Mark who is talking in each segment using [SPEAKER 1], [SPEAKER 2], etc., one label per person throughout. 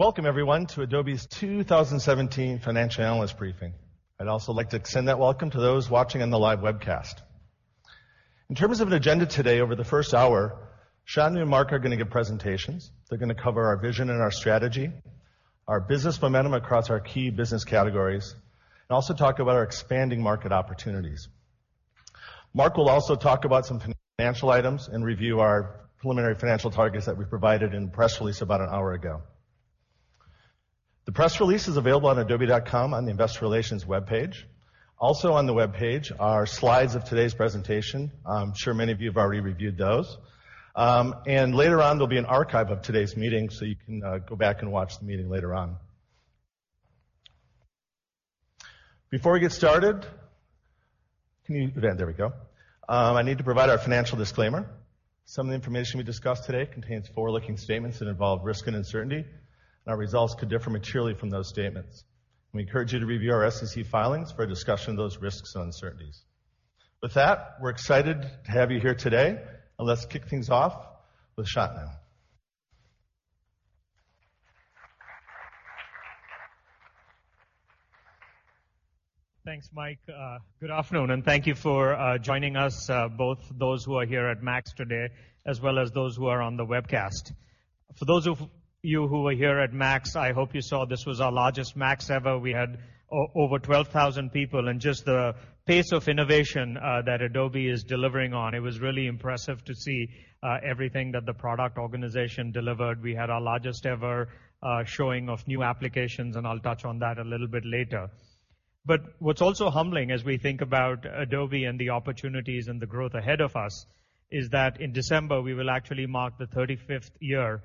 [SPEAKER 1] Welcome everyone to Adobe's 2017 Financial Analyst Briefing. I'd also like to extend that welcome to those watching on the live webcast. In terms of an agenda today, over the first hour, Shantanu and Mark are going to give presentations. They're going to cover our vision and our strategy, our business momentum across our key business categories, and also talk about our expanding market opportunities. Mark will also talk about some financial items and review our preliminary financial targets that we provided in a press release about an hour ago. The press release is available on adobe.com on the investor relations webpage. Also on the webpage are slides of today's presentation. I'm sure many of you have already reviewed those. Later on, there'll be an archive of today's meeting, so you can go back and watch the meeting later on. Before we get started, There we go. I need to provide our financial disclaimer. Some of the information we discuss today contains forward-looking statements that involve risk and uncertainty. Our results could differ materially from those statements. We encourage you to review our SEC filings for a discussion of those risks and uncertainties. With that, we're excited to have you here today. Let's kick things off with Shantanu.
[SPEAKER 2] Thanks, Mike. Good afternoon, and thank you for joining us, both those who are here at MAX today, as well as those who are on the webcast. For those of you who are here at MAX, I hope you saw this was our largest MAX ever. We had over 12,000 people. Just the pace of innovation that Adobe is delivering on, it was really impressive to see everything that the product organization delivered. We had our largest ever showing of new applications. I'll touch on that a little bit later. What's also humbling as we think about Adobe and the opportunities and the growth ahead of us is that in December, we will actually mark the 35th year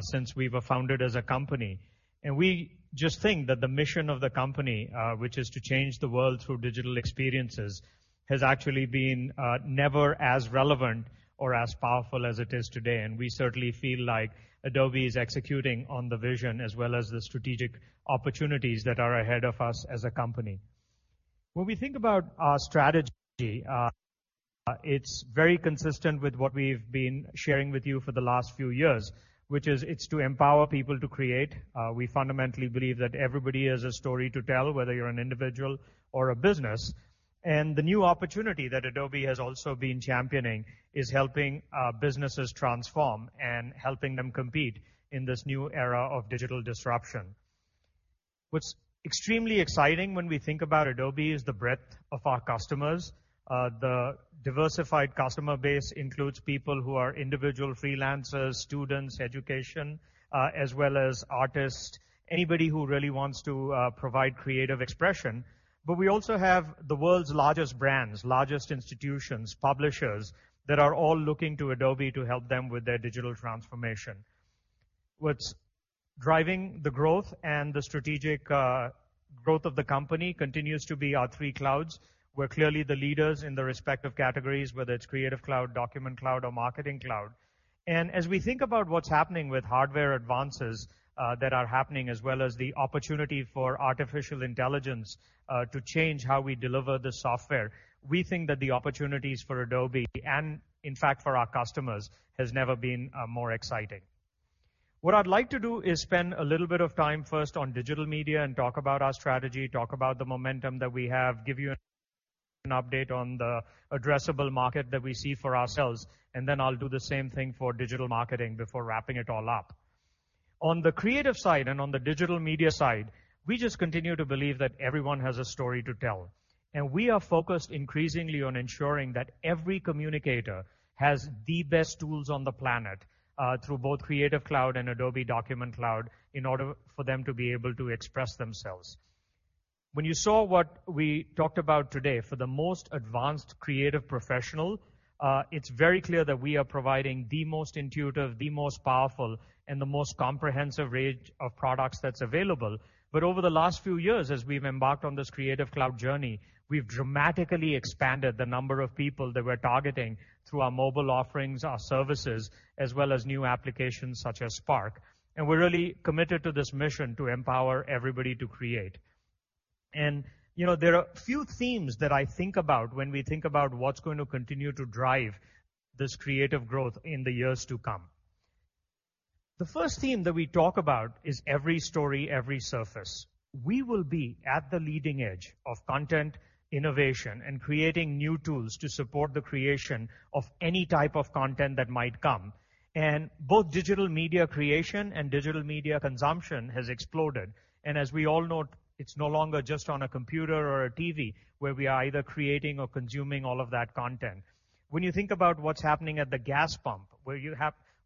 [SPEAKER 2] since we were founded as a company. We just think that the mission of the company, which is to change the world through digital experiences, has actually been never as relevant or as powerful as it is today. We certainly feel like Adobe is executing on the vision as well as the strategic opportunities that are ahead of us as a company. When we think about our strategy, it's very consistent with what we've been sharing with you for the last few years, which is it's to empower people to create. We fundamentally believe that everybody has a story to tell, whether you're an individual or a business. The new opportunity that Adobe has also been championing is helping businesses transform and helping them compete in this new era of digital disruption. What's extremely exciting when we think about Adobe is the breadth of our customers. The diversified customer base includes people who are individual freelancers, students, education, as well as artists, anybody who really wants to provide creative expression. We also have the world's largest brands, largest institutions, publishers, that are all looking to Adobe to help them with their digital transformation. What's driving the growth and the strategic growth of the company continues to be our three clouds. We're clearly the leaders in the respective categories, whether it's Creative Cloud, Document Cloud, or Marketing Cloud. As we think about what's happening with hardware advances that are happening as well as the opportunity for artificial intelligence to change how we deliver the software, we think that the opportunities for Adobe and, in fact, for our customers has never been more exciting. What I'd like to do is spend a little bit of time first on digital media and talk about our strategy, talk about the momentum that we have, give you an update on the addressable market that we see for ourselves, then I'll do the same thing for digital marketing before wrapping it all up. On the creative side and on the digital media side, we just continue to believe that everyone has a story to tell. We are focused increasingly on ensuring that every communicator has the best tools on the planet, through both Creative Cloud and Adobe Document Cloud, in order for them to be able to express themselves. When you saw what we talked about today, for the most advanced creative professional, it's very clear that we are providing the most intuitive, the most powerful, and the most comprehensive range of products that's available. Over the last few years, as we've embarked on this Creative Cloud journey, we've dramatically expanded the number of people that we're targeting through our mobile offerings, our services, as well as new applications such as Spark. We're really committed to this mission to empower everybody to create. There are a few themes that I think about when we think about what's going to continue to drive this creative growth in the years to come. The first theme that we talk about is every story, every surface. We will be at the leading edge of content innovation and creating new tools to support the creation of any type of content that might come. Both digital media creation and digital media consumption has exploded. As we all know, it's no longer just on a computer or a TV where we are either creating or consuming all of that content. When you think about what's happening at the gas pump,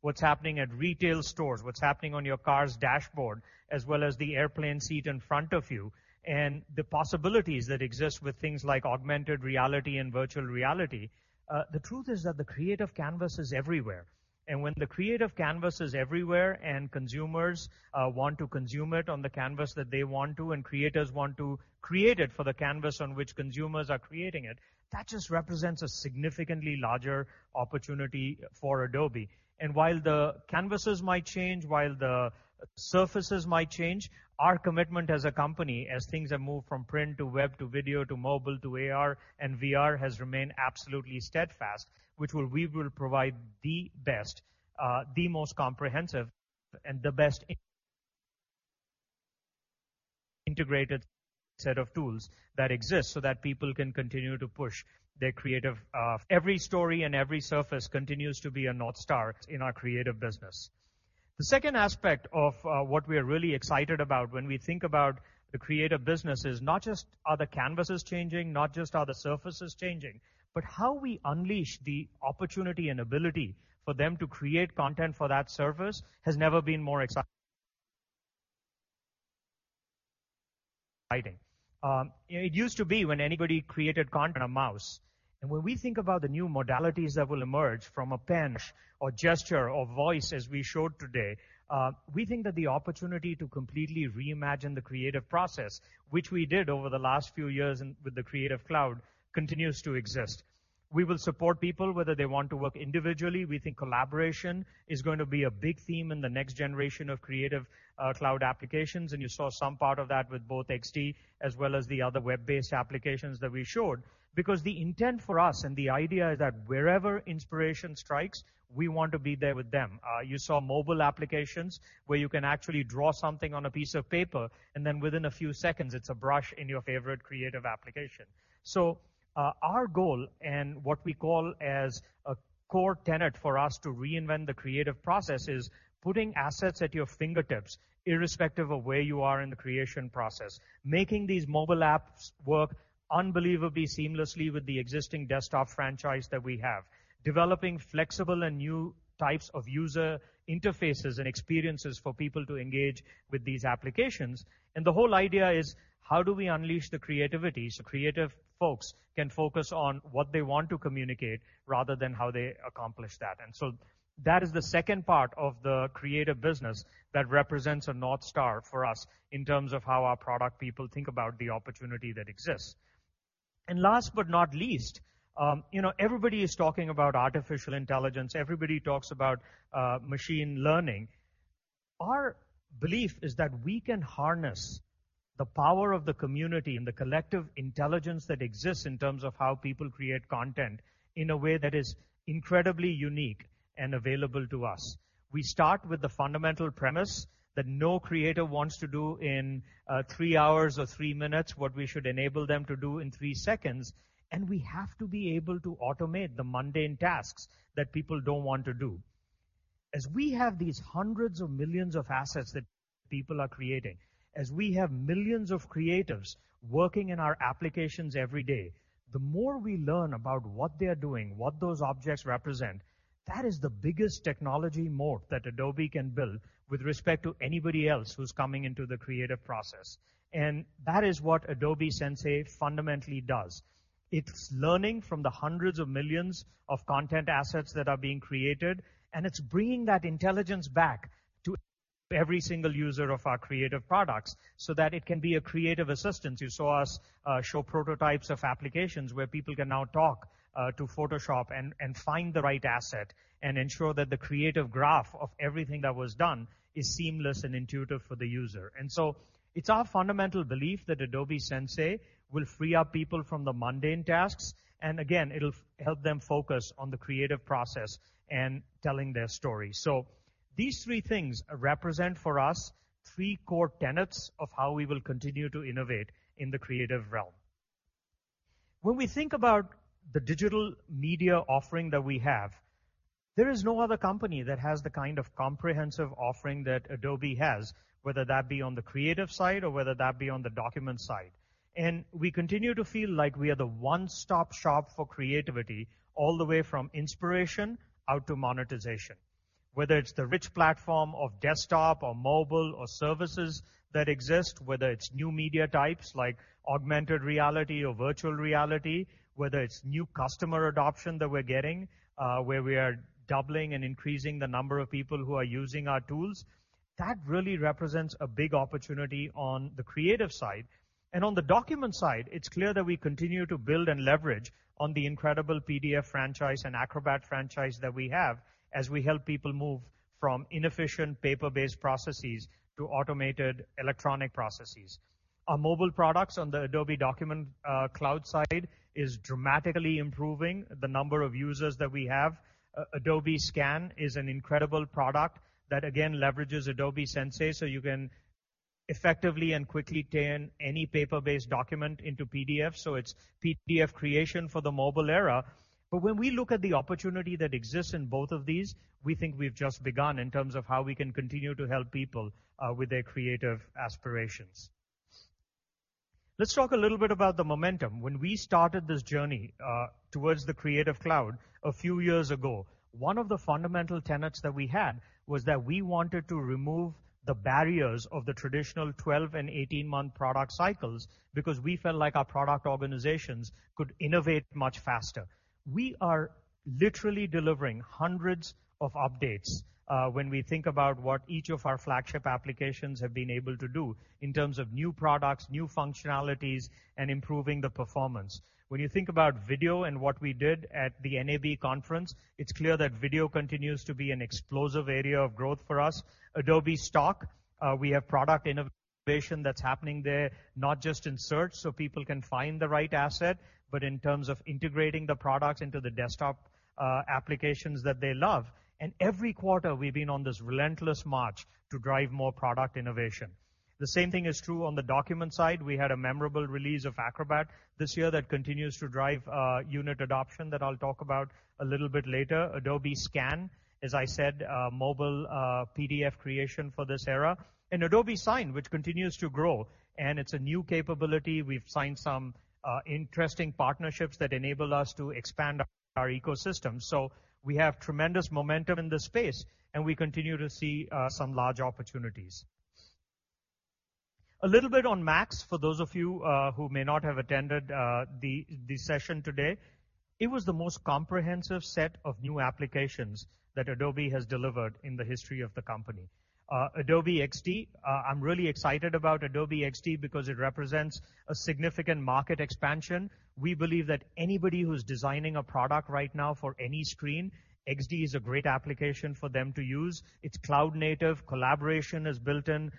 [SPEAKER 2] what's happening at retail stores, what's happening on your car's dashboard, as well as the airplane seat in front of you, and the possibilities that exist with things like augmented reality and virtual reality, the truth is that the creative canvas is everywhere. When the creative canvas is everywhere and consumers want to consume it on the canvas that they want to, and creators want to create it for the canvas on which consumers are creating it, that just represents a significantly larger opportunity for Adobe. While the canvases might change, while the surfaces might change, our commitment as a company, as things have moved from print to web to video to mobile to AR and VR has remained absolutely steadfast, which we will provide the best, the most comprehensive, and the best integrated set of tools that exist so that people can continue to push their creative. Every story and every surface continues to be a North Star in our creative business. The second aspect of what we're really excited about when we think about the creative business is not just are the canvases changing, not just are the surfaces changing, but how we unleash the opportunity and ability for them to create content for that surface has never been more exciting. It used to be when anybody created content, a mouse. When we think about the new modalities that will emerge from a pen or gesture or voice, as we showed today, we think that the opportunity to completely reimagine the creative process, which we did over the last few years with the Creative Cloud, continues to exist. We will support people whether they want to work individually. We think collaboration is going to be a big theme in the next generation of Creative Cloud applications, and you saw some part of that with both XD as well as the other web-based applications that we showed. The intent for us and the idea is that wherever inspiration strikes, we want to be there with them. You saw mobile applications where you can actually draw something on a piece of paper, and then within a few seconds, it's a brush in your favorite creative application. Our goal and what we call as a core tenet for us to reinvent the creative process is putting assets at your fingertips, irrespective of where you are in the creation process, making these mobile apps work unbelievably seamlessly with the existing desktop franchise that we have, developing flexible and new types of user interfaces and experiences for people to engage with these applications. The whole idea is, how do we unleash the creativity so creative folks can focus on what they want to communicate rather than how they accomplish that? That is the second part of the creative business that represents a North Star for us in terms of how our product people think about the opportunity that exists. Last but not least, everybody is talking about artificial intelligence. Everybody talks about machine learning. Our belief is that we can harness the power of the community and the collective intelligence that exists in terms of how people create content in a way that is incredibly unique and available to us. We start with the fundamental premise that no creator wants to do in three hours or three minutes what we should enable them to do in three seconds, and we have to be able to automate the mundane tasks that people don't want to do. As we have these hundreds of millions of assets that people are creating, as we have millions of creatives working in our applications every day, the more we learn about what they are doing, what those objects represent, that is the biggest technology moat that Adobe can build with respect to anybody else who's coming into the creative process. That is what Adobe Sensei fundamentally does. It's learning from the hundreds of millions of content assets that are being created, it's bringing that intelligence back to every single user of our creative products so that it can be a creative assistant. You saw us show prototypes of applications where people can now talk to Photoshop and find the right asset and ensure that the creative graph of everything that was done is seamless and intuitive for the user. It's our fundamental belief that Adobe Sensei will free up people from the mundane tasks, and again, it'll help them focus on the creative process and telling their story. These three things represent for us three core tenets of how we will continue to innovate in the creative realm. When we think about the Digital Media offering that we have, there is no other company that has the kind of comprehensive offering that Adobe has, whether that be on the creative side or whether that be on the document side. We continue to feel like we are the one-stop shop for creativity all the way from inspiration out to monetization. Whether it's the rich platform of desktop or mobile or services that exist, whether it's new media types like augmented reality or virtual reality, whether it's new customer adoption that we're getting, where we are doubling and increasing the number of people who are using our tools, that really represents a big opportunity on the creative side. On the document side, it's clear that we continue to build and leverage on the incredible PDF franchise and Acrobat franchise that we have as we help people move from inefficient paper-based processes to automated electronic processes. Our mobile products on the Adobe Document Cloud side is dramatically improving the number of users that we have. Adobe Scan is an incredible product that again leverages Adobe Sensei, you can effectively and quickly turn any paper-based document into PDF. It's PDF creation for the mobile era. When we look at the opportunity that exists in both of these, we think we've just begun in terms of how we can continue to help people with their creative aspirations. Let's talk a little bit about the momentum. When we started this journey towards the Creative Cloud a few years ago, one of the fundamental tenets that we had was that we wanted to remove the barriers of the traditional 12 and 18-month product cycles because we felt like our product organizations could innovate much faster. We are literally delivering hundreds of updates when we think about what each of our flagship applications have been able to do in terms of new products, new functionalities, and improving the performance. When you think about video and what we did at the NAB conference, it's clear that video continues to be an explosive area of growth for us. Adobe Stock, we have product innovation that's happening there, not just in search so people can find the right asset, but in terms of integrating the products into the desktop applications that they love. Every quarter, we've been on this relentless march to drive more product innovation. The same thing is true on the document side. We had a memorable release of Acrobat this year that continues to drive unit adoption that I'll talk about a little bit later. Adobe Scan, as I said, mobile PDF creation for this era, and Adobe Sign, which continues to grow, and it's a new capability. We've signed some interesting partnerships that enable us to expand our ecosystem. We have tremendous momentum in this space, and we continue to see some large opportunities. A little bit on MAX for those of you who may not have attended the session today. It was the most comprehensive set of new applications that Adobe has delivered in the history of the company. Adobe XD, I'm really excited about Adobe XD because it represents a significant market expansion. We believe that anybody who's designing a product right now for any screen, Adobe XD is a great application for them to use. It's cloud-native, collaboration is built in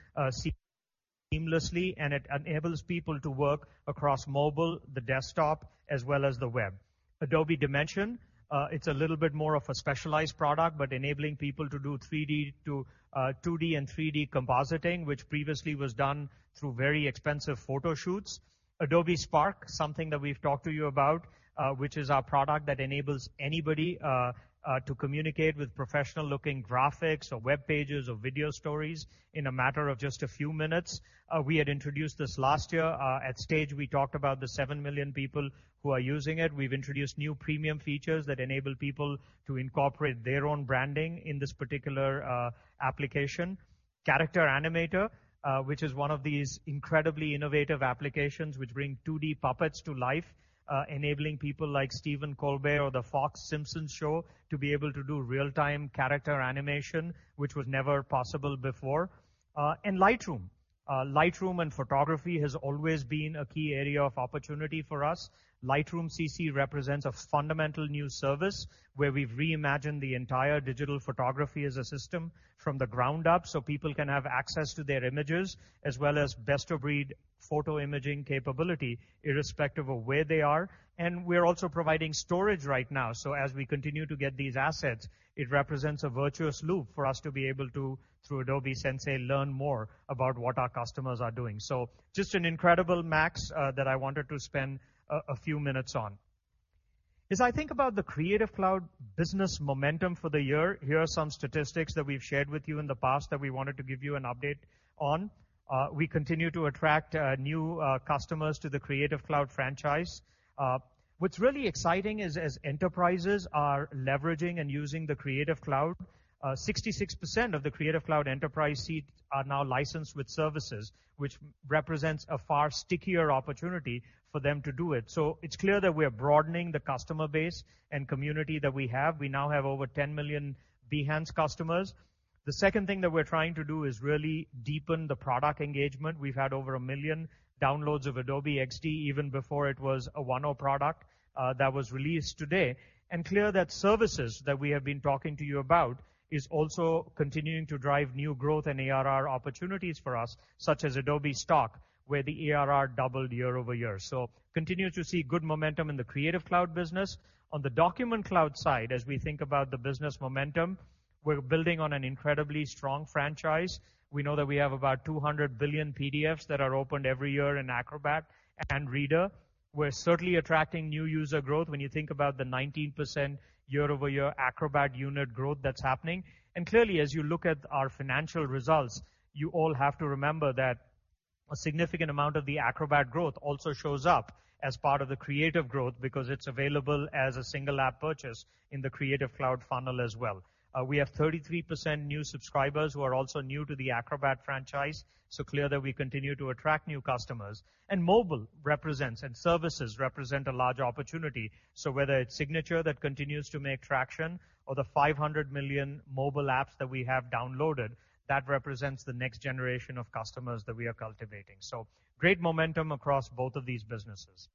[SPEAKER 2] seamlessly, and it enables people to work across mobile, the desktop, as well as the web. Adobe Dimension, it's a little bit more of a specialized product, but enabling people to do 2D and 3D compositing, which previously was done through very expensive photo shoots. Adobe Spark, something that we've talked to you about, which is our product that enables anybody to communicate with professional-looking graphics or web pages or video stories in a matter of just a few minutes. We had introduced this last year. At Stage, we talked about the 7 million people who are using it. We've introduced new premium features that enable people to incorporate their own branding in this particular application. Character Animator, which is one of these incredibly innovative applications which bring 2D puppets to life, enabling people like Stephen Colbert or the Fox Simpsons show to be able to do real-time character animation, which was never possible before. Lightroom. Lightroom and photography has always been a key area of opportunity for us. Lightroom CC represents a fundamental new service where we've reimagined the entire digital photography as a system from the ground up so people can have access to their images as well as best-of-breed photo imaging capability irrespective of where they are. We're also providing storage right now. As we continue to get these assets, it represents a virtuous loop for us to be able to, through Adobe Sensei, learn more about what our customers are doing. Just an incredible MAX that I wanted to spend a few minutes on. As I think about the Creative Cloud business momentum for the year, here are some statistics that we've shared with you in the past that we wanted to give you an update on. We continue to attract new customers to the Creative Cloud franchise. What's really exciting is as enterprises are leveraging and using the Creative Cloud, 66% of the Creative Cloud enterprise seats are now licensed with services, which represents a far stickier opportunity for them to do it. It's clear that we are broadening the customer base and community that we have. We now have over 10 million Behance customers. The second thing that we're trying to do is really deepen the product engagement. We've had over 1 million downloads of Adobe XD even before it was a 1.0 product that was released today. Clear that services that we have been talking to you about is also continuing to drive new growth and ARR opportunities for us, such as Adobe Stock, where the ARR doubled year-over-year. Continue to see good momentum in the Creative Cloud business. On the Document Cloud side, as we think about the business momentum, we're building on an incredibly strong franchise. We know that we have about 200 billion PDFs that are opened every year in Acrobat and Reader. We're certainly attracting new user growth when you think about the 19% year-over-year Acrobat unit growth that's happening. Clearly, as you look at our financial results, you all have to remember that a significant amount of the Acrobat growth also shows up as part of the creative growth because it's available as a single app purchase in the Creative Cloud funnel as well. We have 33% new subscribers who are also new to the Acrobat franchise, clear that we continue to attract new customers. Mobile represents and services represent a large opportunity. Whether it's Signature that continues to make traction or the 500 million mobile apps that we have downloaded, that represents the next generation of customers that we are cultivating. Great momentum across both of these businesses.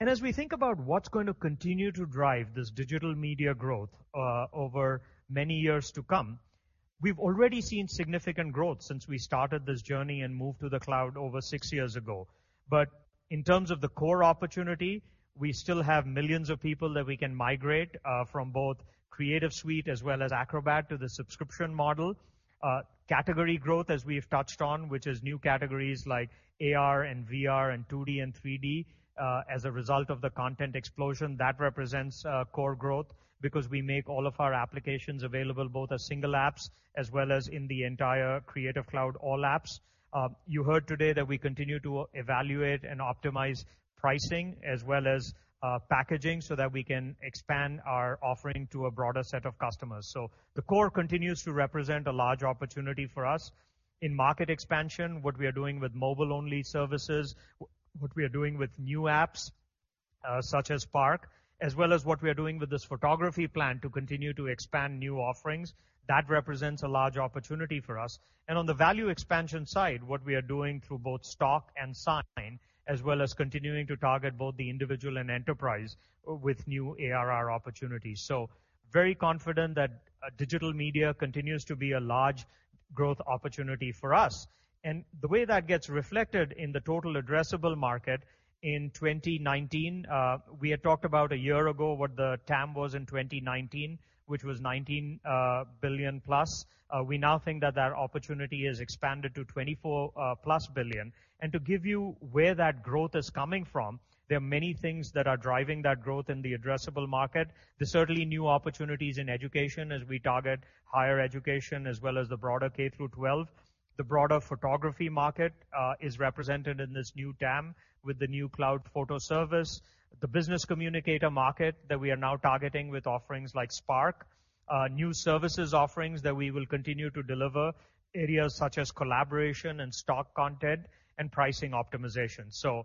[SPEAKER 2] As we think about what's going to continue to drive this digital media growth over many years to come, we've already seen significant growth since we started this journey and moved to the cloud over six years ago. In terms of the core opportunity, we still have millions of people that we can migrate from both Creative Suite as well as Acrobat to the subscription model. Category growth, as we've touched on, which is new categories like AR and VR and 2D and 3D as a result of the content explosion, that represents core growth because we make all of our applications available both as single apps as well as in the entire Creative Cloud All Apps. You heard today that we continue to evaluate and optimize pricing as well as packaging so that we can expand our offering to a broader set of customers. The core continues to represent a large opportunity for us. In market expansion, what we are doing with mobile-only services, what we are doing with new apps such as Spark, as well as what we are doing with this photography plan to continue to expand new offerings, that represents a large opportunity for us. On the value expansion side, what we are doing through both Stock and Sign, as well as continuing to target both the individual and enterprise with new ARR opportunities. Very confident that digital media continues to be a large growth opportunity for us. The way that gets reflected in the total addressable market in 2019, we had talked about a year ago what the TAM was in 2019, which was $19 billion-plus. We now think that that opportunity has expanded to $24 billion-plus. To give you where that growth is coming from, there are many things that are driving that growth in the addressable market. There's certainly new opportunities in education as we target higher education as well as the broader K through 12. The broader photography market is represented in this new TAM with the new cloud photo service. The Business Communicator market that we are now targeting with offerings like Spark. New services offerings that we will continue to deliver, areas such as collaboration and stock content, and pricing optimization.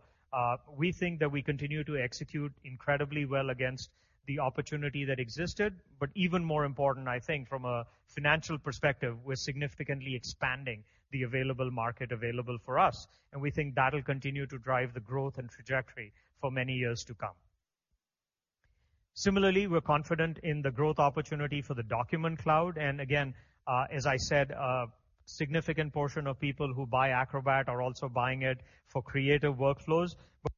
[SPEAKER 2] We think that we continue to execute incredibly well against the opportunity that existed, but even more important, I think from a financial perspective, we're significantly expanding the available market available for us, and we think that'll continue to drive the growth and trajectory for many years to come. Similarly, we're confident in the growth opportunity for the Document Cloud. Again, as I said, a significant portion of people who buy Acrobat are also buying it for creative workflows.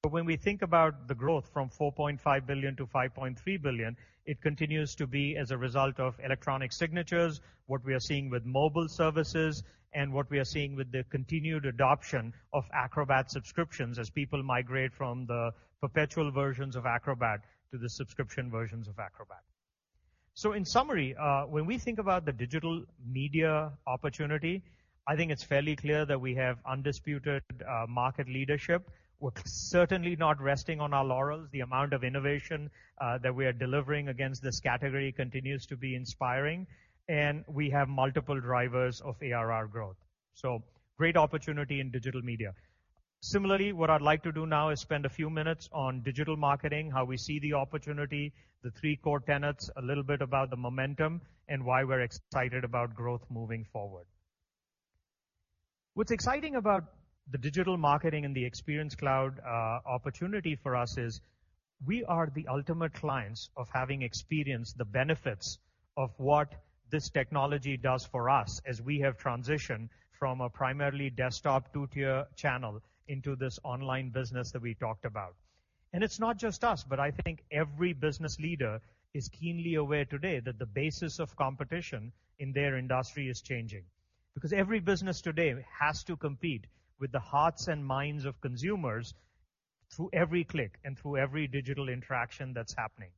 [SPEAKER 2] When we think about the growth from $4.5 billion to $5.3 billion, it continues to be as a result of electronic signatures, what we are seeing with mobile services, and what we are seeing with the continued adoption of Acrobat subscriptions as people migrate from the perpetual versions of Acrobat to the subscription versions of Acrobat. In summary, when we think about the digital media opportunity, I think it's fairly clear that we have undisputed market leadership. We're certainly not resting on our laurels. The amount of innovation that we are delivering against this category continues to be inspiring, and we have multiple drivers of ARR growth. Great opportunity in digital media. Similarly, what I'd like to do now is spend a few minutes on digital marketing, how we see the opportunity, the three core tenets, a little bit about the momentum, and why we're excited about growth moving forward. What's exciting about the digital marketing and the Experience Cloud opportunity for us is we are the ultimate clients of having experienced the benefits of what this technology does for us as we have transitioned from a primarily desktop 2-tier channel into this online business that we talked about. It's not just us, but I think every business leader is keenly aware today that the basis of competition in their industry is changing because every business today has to compete with the hearts and minds of consumers through every click and through every digital interaction that's happening.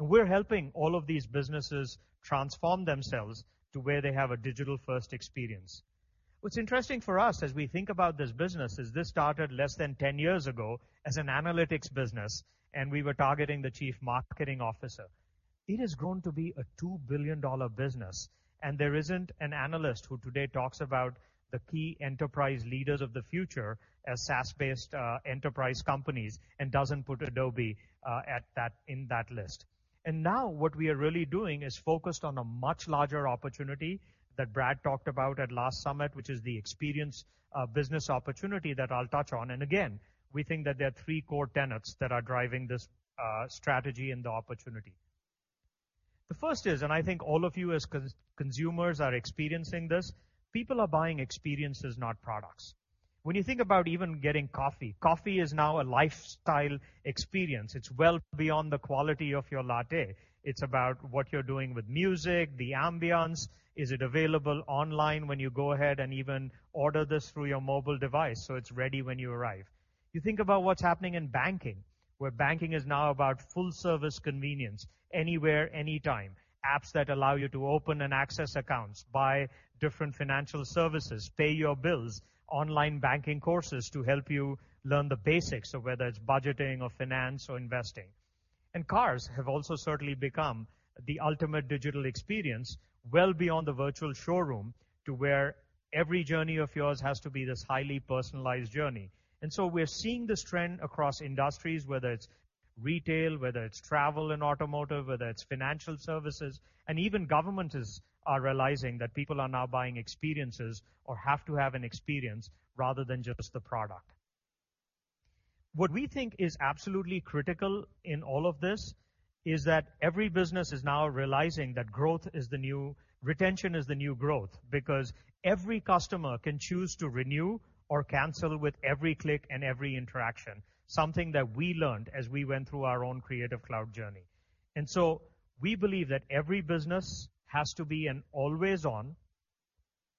[SPEAKER 2] We're helping all of these businesses transform themselves to where they have a digital-first experience. What's interesting for us as we think about this business is this started less than 10 years ago as an analytics business, and we were targeting the Chief Marketing Officer. It has grown to be a $2 billion business, and there isn't an analyst who today talks about the key enterprise leaders of the future as SaaS-based enterprise companies and doesn't put Adobe in that list. Now what we are really doing is focused on a much larger opportunity that Brad talked about at last Summit, which is the experience business opportunity that I'll touch on. Again, we think that there are three core tenets that are driving this strategy and the opportunity. The first is, I think all of you as consumers are experiencing this, people are buying experiences, not products. You think about even getting coffee is now a lifestyle experience. It's well beyond the quality of your latte. It's about what you're doing with music, the ambiance. Is it available online when you go ahead and even order this through your mobile device, so it's ready when you arrive? Think about what's happening in banking, where banking is now about full-service convenience anywhere, anytime. Apps that allow you to open and access accounts, buy different financial services, pay your bills, online banking courses to help you learn the basics of whether it's budgeting or finance or investing. Cars have also certainly become the ultimate digital experience well beyond the virtual showroom to where every journey of yours has to be this highly personalized journey. We're seeing this trend across industries, whether it's retail, whether it's travel and automotive, whether it's financial services, and even governments are realizing that people are now buying experiences or have to have an experience rather than just the product. What we think is absolutely critical in all of this is that every business is now realizing that retention is the new growth because every customer can choose to renew or cancel with every click and every interaction, something that we learned as we went through our own Creative Cloud journey. We believe that every business has to be an always on,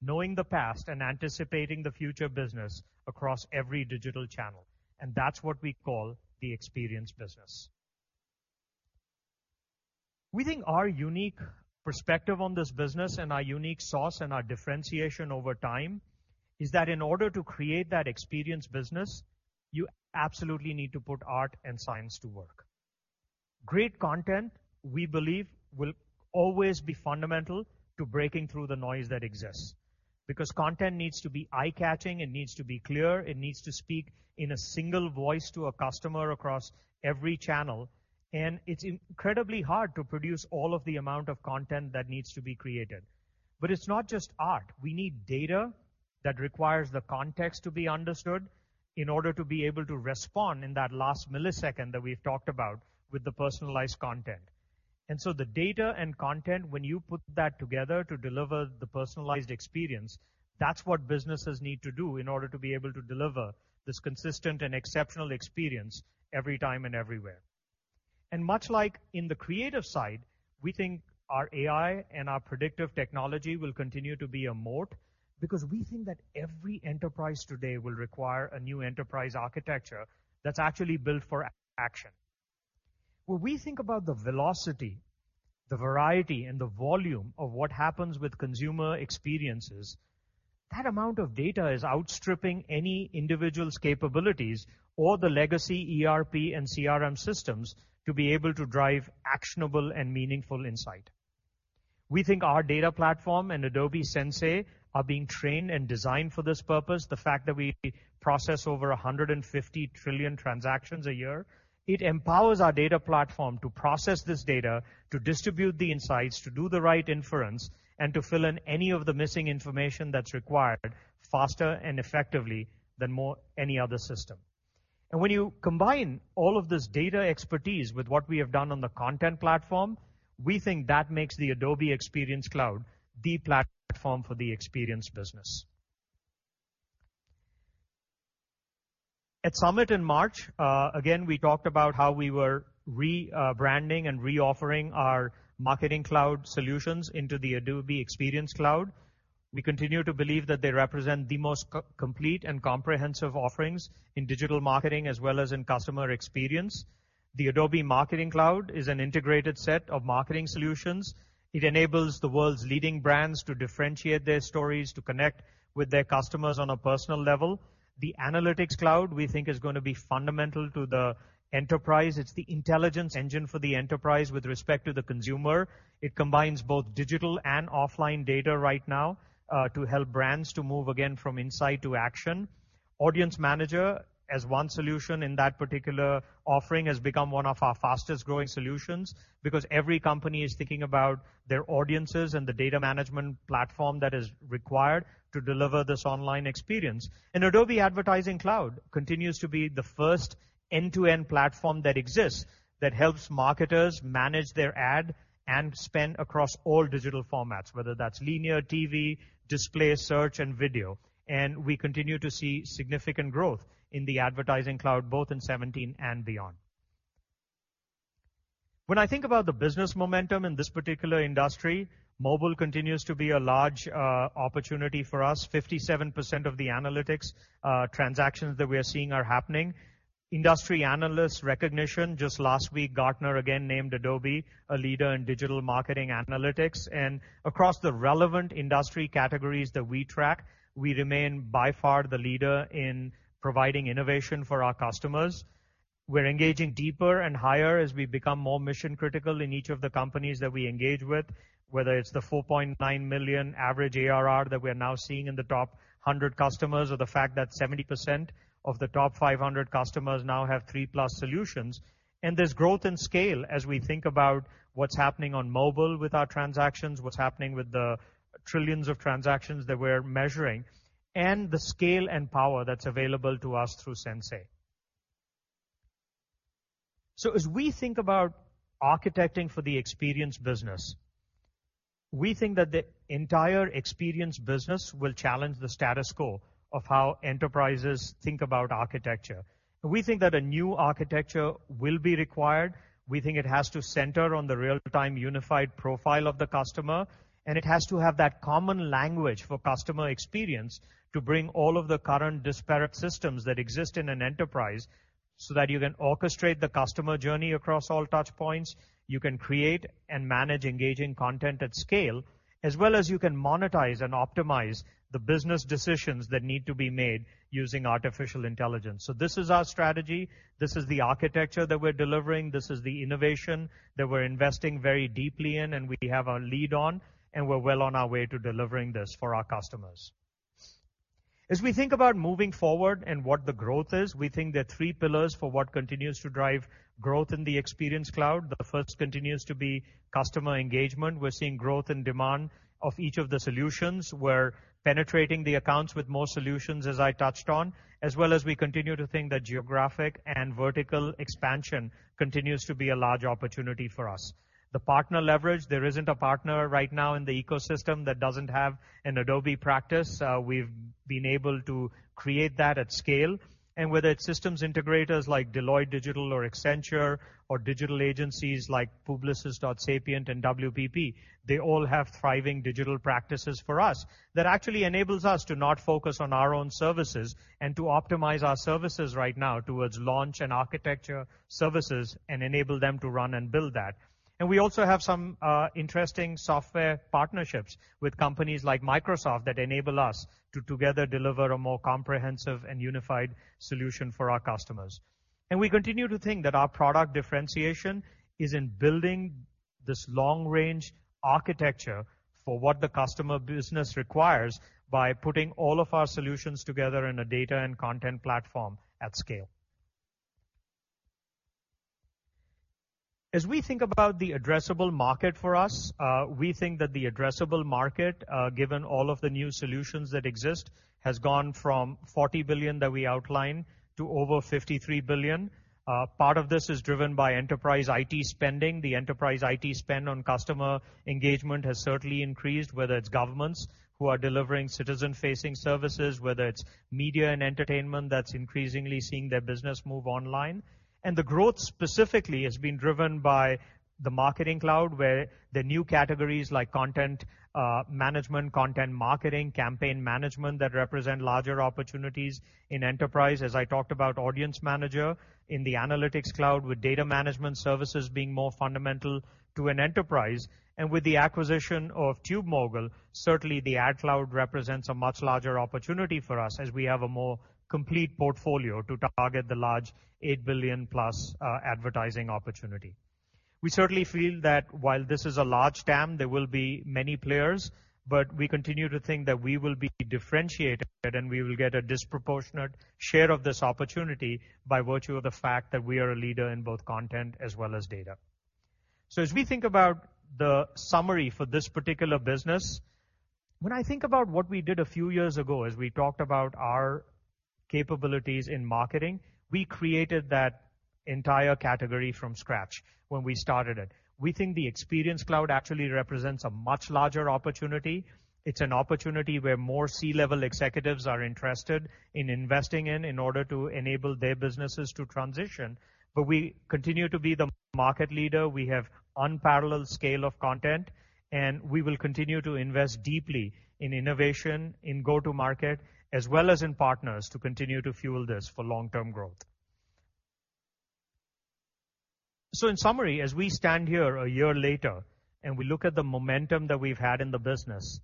[SPEAKER 2] knowing the past and anticipating the future business across every digital channel, and that's what we call the experience business. We think our unique perspective on this business and our unique sauce and our differentiation over time is that in order to create that experience business, you absolutely need to put art and science to work. Great content, we believe, will always be fundamental to breaking through the noise that exists because content needs to be eye-catching, it needs to be clear, it needs to speak in a single voice to a customer across every channel, and it's incredibly hard to produce all of the amount of content that needs to be created. It's not just art. We need data that requires the context to be understood in order to be able to respond in that last millisecond that we've talked about with the personalized content. The data and content, when you put that together to deliver the personalized experience, that's what businesses need to do in order to be able to deliver this consistent and exceptional experience every time and everywhere. Much like in the creative side, we think our AI and our predictive technology will continue to be a moat because we think that every enterprise today will require a new enterprise architecture that's actually built for action. When we think about the velocity, the variety, and the volume of what happens with consumer experiences, that amount of data is outstripping any individual's capabilities or the legacy ERP and CRM systems to be able to drive actionable and meaningful insight. We think our data platform and Adobe Sensei are being trained and designed for this purpose. The fact that we process over 150 trillion transactions a year, it empowers our data platform to process this data, to distribute the insights, to do the right inference, and to fill in any of the missing information that's required faster and effectively than any other system. When you combine all of this data expertise with what we have done on the content platform, we think that makes the Adobe Experience Cloud the platform for the experience business. At Summit in March, again, we talked about how we were rebranding and reoffering our Marketing Cloud solutions into the Adobe Experience Cloud. We continue to believe that they represent the most complete and comprehensive offerings in digital marketing as well as in customer experience. The Adobe Marketing Cloud is an integrated set of marketing solutions. It enables the world's leading brands to differentiate their stories, to connect with their customers on a personal level. The Analytics Cloud, we think, is going to be fundamental to the enterprise. It's the intelligence engine for the enterprise with respect to the consumer. It combines both digital and offline data right now to help brands to move again from insight to action. Audience Manager, as one solution in that particular offering, has become one of our fastest-growing solutions because every company is thinking about their audiences and the data management platform that is required to deliver this online experience. Adobe Advertising Cloud continues to be the first end-to-end platform that exists that helps marketers manage their ad and spend across all digital formats, whether that's linear TV, display, search, and video. We continue to see significant growth in the Advertising Cloud, both in 2017 and beyond. When I think about the business momentum in this particular industry, mobile continues to be a large opportunity for us. 57% of the analytics transactions that we are seeing are happening. Industry analyst recognition, just last week, Gartner again named Adobe a leader in digital marketing analytics. Across the relevant industry categories that we track, we remain by far the leader in providing innovation for our customers. We're engaging deeper and higher as we become more mission-critical in each of the companies that we engage with, whether it's the $4.9 million average ARR that we're now seeing in the top 100 customers or the fact that 70% of the top 500 customers now have three-plus solutions. There's growth in scale as we think about what's happening on mobile with our transactions, what's happening with the trillions of transactions that we're measuring, and the scale and power that's available to us through Sensei. As we think about architecting for the experience business, we think that the entire experience business will challenge the status quo of how enterprises think about architecture. We think that a new architecture will be required. We think it has to center on the real-time unified profile of the customer, and it has to have that common language for customer experience to bring all of the current disparate systems that exist in an enterprise so that you can orchestrate the customer journey across all touch points, you can create and manage engaging content at scale, as well as you can monetize and optimize the business decisions that need to be made using artificial intelligence. This is our strategy. This is the architecture that we're delivering. This is the innovation that we're investing very deeply in, and we have our lead on, and we're well on our way to delivering this for our customers. As we think about moving forward and what the growth is, we think there are three pillars for what continues to drive growth in the Experience Cloud. The first continues to be customer engagement. We're seeing growth and demand of each of the solutions. We're penetrating the accounts with more solutions, as I touched on, as well as we continue to think that geographic and vertical expansion continues to be a large opportunity for us. The partner leverage, there isn't a partner right now in the ecosystem that doesn't have an Adobe practice. We've been able to create that at scale. Whether it's systems integrators like Deloitte Digital or Accenture or digital agencies like Publicis Sapient and WPP, they all have thriving digital practices for us that actually enables us to not focus on our own services and to optimize our services right now towards launch and architecture services and enable them to run and build that. We also have some interesting software partnerships with companies like Microsoft that enable us to together deliver a more comprehensive and unified solution for our customers. We continue to think that our product differentiation is in building this long-range architecture for what the customer business requires by putting all of our solutions together in a data and content platform at scale. As we think about the addressable market for us, we think that the addressable market, given all of the new solutions that exist, has gone from $40 billion that we outlined to over $53 billion. Part of this is driven by enterprise IT spending. The enterprise IT spend on customer engagement has certainly increased, whether it's governments who are delivering citizen-facing services, whether it's media and entertainment that's increasingly seeing their business move online. The growth specifically has been driven by the Marketing Cloud, where the new categories like content management, content marketing, campaign management that represent larger opportunities in enterprise. As I talked about Audience Manager in the Analytics Cloud, with data management services being more fundamental to an enterprise. With the acquisition of TubeMogul, certainly the Ad Cloud represents a much larger opportunity for us as we have a more complete portfolio to target the large $8 billion-plus advertising opportunity. We certainly feel that while this is a large TAM, there will be many players, we continue to think that we will be differentiated, we will get a disproportionate share of this opportunity by virtue of the fact that we are a leader in both content as well as data. As we think about the summary for this particular business, when I think about what we did a few years ago, as we talked about our capabilities in marketing, we created that entire category from scratch when we started it. We think the Experience Cloud actually represents a much larger opportunity. It is an opportunity where more C-level executives are interested in investing in in order to enable their businesses to transition. We continue to be the market leader. We have unparalleled scale of content, and we will continue to invest deeply in innovation, in go-to-market, as well as in partners, to continue to fuel this for long-term growth. In summary, as we stand here a year later and we look at the momentum that we have had in the business,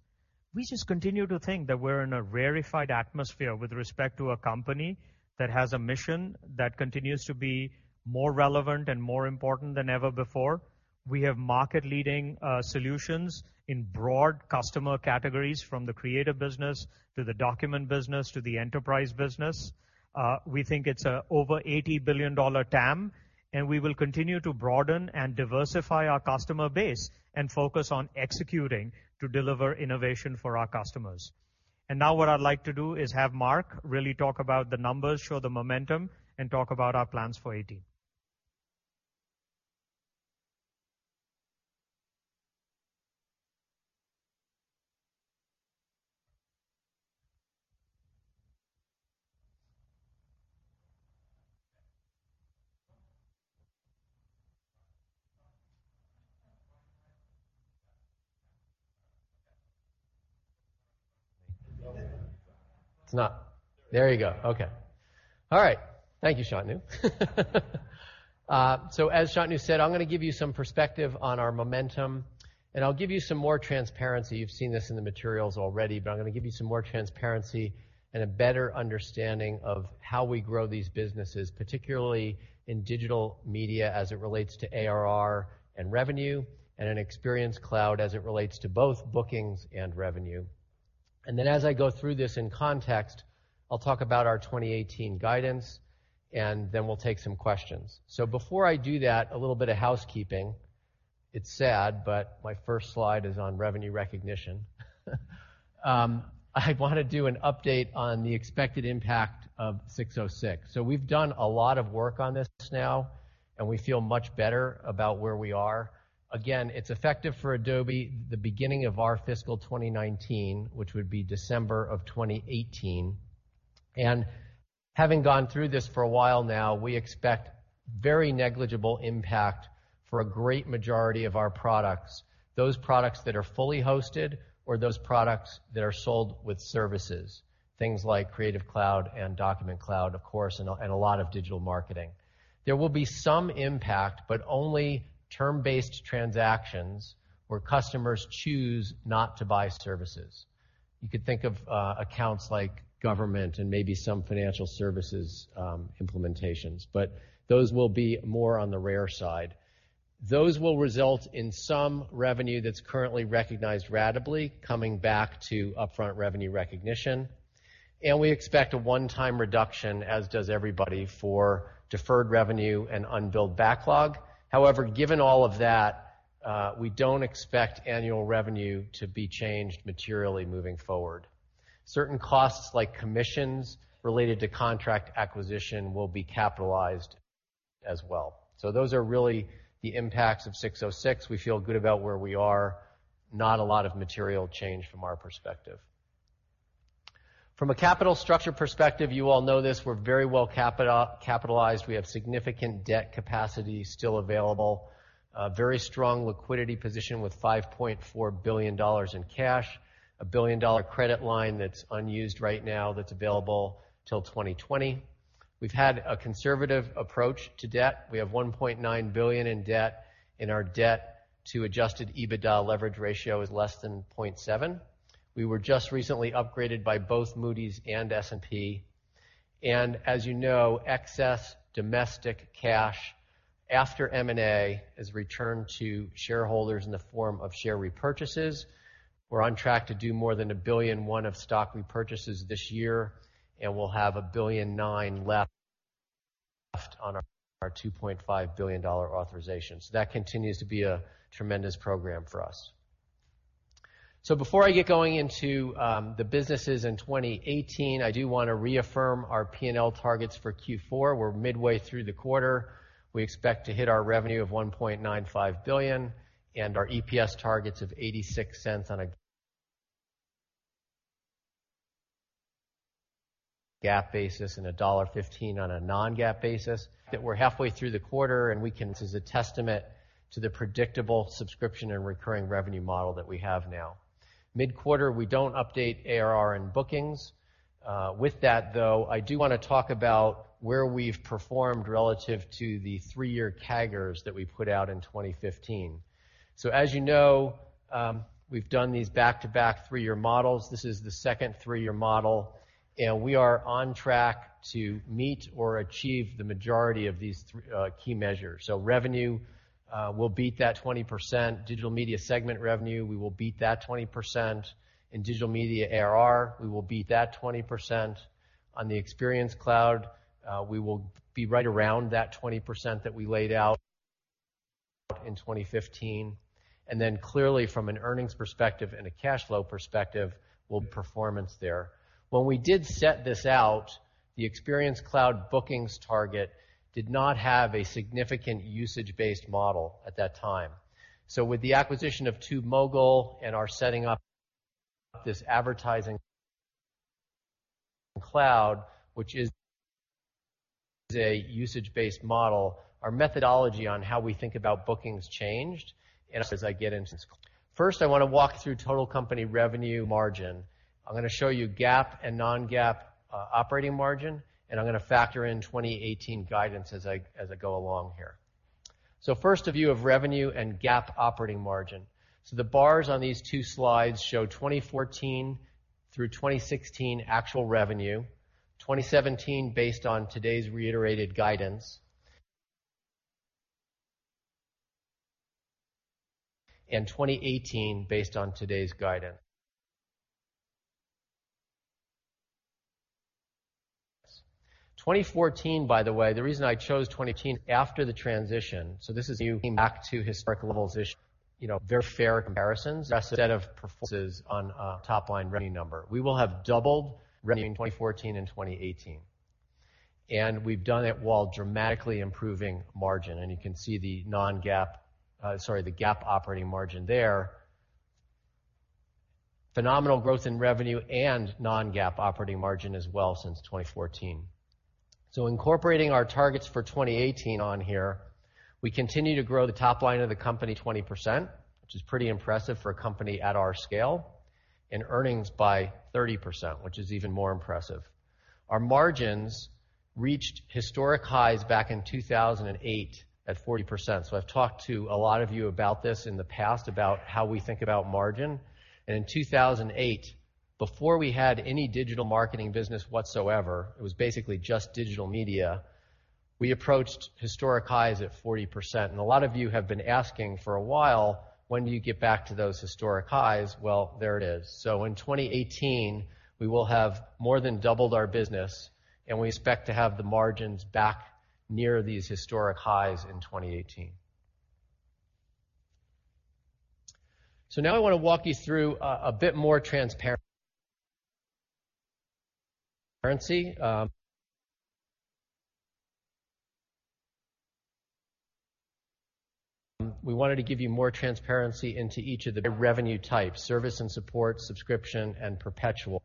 [SPEAKER 2] we just continue to think that we are in a rarefied atmosphere with respect to a company that has a mission that continues to be more relevant and more important than ever before. We have market-leading solutions in broad customer categories, from the creative business to the document business to the enterprise business. We think it is an over $80 billion TAM, and we will continue to broaden and diversify our customer base and focus on executing to deliver innovation for our customers. Now what I would like to do is have Mark really talk about the numbers, show the momentum, and talk about our plans for 2018.
[SPEAKER 3] It is not. There you go. Okay. All right. Thank you, Shantanu. As Shantanu said, I am going to give you some perspective on our momentum, and I will give you some more transparency. You have seen this in the materials already, but I am going to give you some more transparency and a better understanding of how we grow these businesses, particularly in digital media as it relates to ARR and revenue, and in Experience Cloud as it relates to both bookings and revenue. Then as I go through this in context, I will talk about our 2018 guidance, and then we will take some questions. Before I do that, a little bit of housekeeping. It is sad, but my first slide is on revenue recognition. I want to do an update on the expected impact of 606. We have done a lot of work on this now, and we feel much better about where we are. Again, it is effective for Adobe the beginning of our fiscal 2019, which would be December of 2018. Having gone through this for a while now, we expect very negligible impact for a great majority of our products. Those products that are fully hosted or those products that are sold with services, things like Creative Cloud and Document Cloud, of course, and a lot of digital marketing. There will be some impact, but only term-based transactions where customers choose not to buy services. You could think of accounts like government and maybe some financial services implementations, but those will be more on the rare side. Those will result in some revenue that is currently recognized ratably coming back to upfront revenue recognition. We expect a one-time reduction, as does everybody, for deferred revenue and unbilled backlog. However, given all of that, we don't expect annual revenue to be changed materially moving forward. Certain costs, like commissions related to contract acquisition, will be capitalized as well. Those are really the impacts of 606. We feel good about where we are. Not a lot of material change from our perspective. From a capital structure perspective, you all know this, we're very well capitalized. We have significant debt capacity still available. A very strong liquidity position with $5.4 billion in cash, a billion-dollar credit line that's unused right now that's available till 2020. We've had a conservative approach to debt. We have $1.9 billion in debt, and our debt to adjusted EBITDA leverage ratio is less than 0.7. We were just recently upgraded by both Moody's and S&P. As you know, excess domestic cash after M&A is returned to shareholders in the form of share repurchases. We're on track to do more than $1.1 billion of stock repurchases this year, and we'll have $1.9 billion left on our $2.5 billion authorization. That continues to be a tremendous program for us. Before I get going into the businesses in 2018, I do want to reaffirm our P&L targets for Q4. We're midway through the quarter. We expect to hit our revenue of $1.95 billion and our EPS targets of $0.86 on a GAAP basis and $1.15 on a non-GAAP basis. That we're halfway through the quarter, and we can, as a testament to the predictable subscription and recurring revenue model that we have now. Mid-quarter, we don't update ARR and bookings. With that, though, I do want to talk about where we've performed relative to the three-year CAGRs that we put out in 2015. As you know, we've done these back-to-back three-year models. This is the second three-year model, and we are on track to meet or achieve the majority of these key measures. Revenue, we'll beat that 20%. Digital Media segment revenue, we will beat that 20%. In Digital Media ARR, we will beat that 20%. On the Experience Cloud, we will be right around that 20% that we laid out. In 2015, and then clearly from an earnings perspective and a cash flow perspective, will be performance there. When we did set this out, the Experience Cloud bookings target did not have a significant usage-based model at that time. With the acquisition of TubeMogul and our setting up this Advertising Cloud, which is a usage-based model, our methodology on how we think about bookings changed, and as I get into this. First, I want to walk through total company revenue margin. I'm going to show you GAAP and non-GAAP operating margin, and I'm going to factor in 2018 guidance as I go along here. First, a view of revenue and GAAP operating margin. The bars on these two slides show 2014 through 2016 actual revenue, 2017 based on today's reiterated guidance, and 2018 based on today's guidance. 2014, by the way, the reason I chose 2014 after the transition, this is you looking back to historic levels, very fair comparisons instead of performances on a top-line revenue number. We will have doubled revenue in 2014 and 2018, and we've done it while dramatically improving margin, and you can see the GAAP operating margin there. Phenomenal growth in revenue and non-GAAP operating margin as well since 2014. Incorporating our targets for 2018 on here, we continue to grow the top line of the company 20%, which is pretty impressive for a company at our scale, and earnings by 30%, which is even more impressive. Our margins reached historic highs back in 2008 at 40%. I've talked to a lot of you about this in the past, about how we think about margin. In 2008, before we had any digital marketing business whatsoever, it was basically just digital media, we approached historic highs at 40%. A lot of you have been asking for a while, when do you get back to those historic highs? Well, there it is. In 2018, we will have more than doubled our business, and we expect to have the margins back near these historic highs in 2018. Now I want to walk you through a bit more transparency. We wanted to give you more transparency into each of the revenue types, service and support, subscription, and perpetual.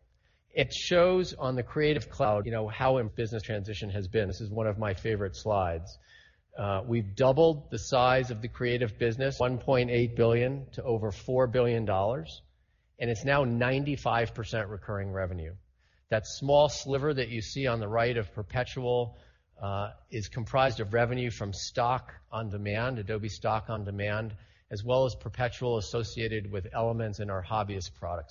[SPEAKER 3] It shows on the Creative Cloud, how business transition has been. This is one of my favorite slides. We've doubled the size of the creative business, $1.8 billion to over $4 billion, and it's now 95% recurring revenue. That small sliver that you see on the right of perpetual is comprised of revenue from Stock On Demand, Adobe Stock On Demand, as well as perpetual associated with elements in our hobbyist product.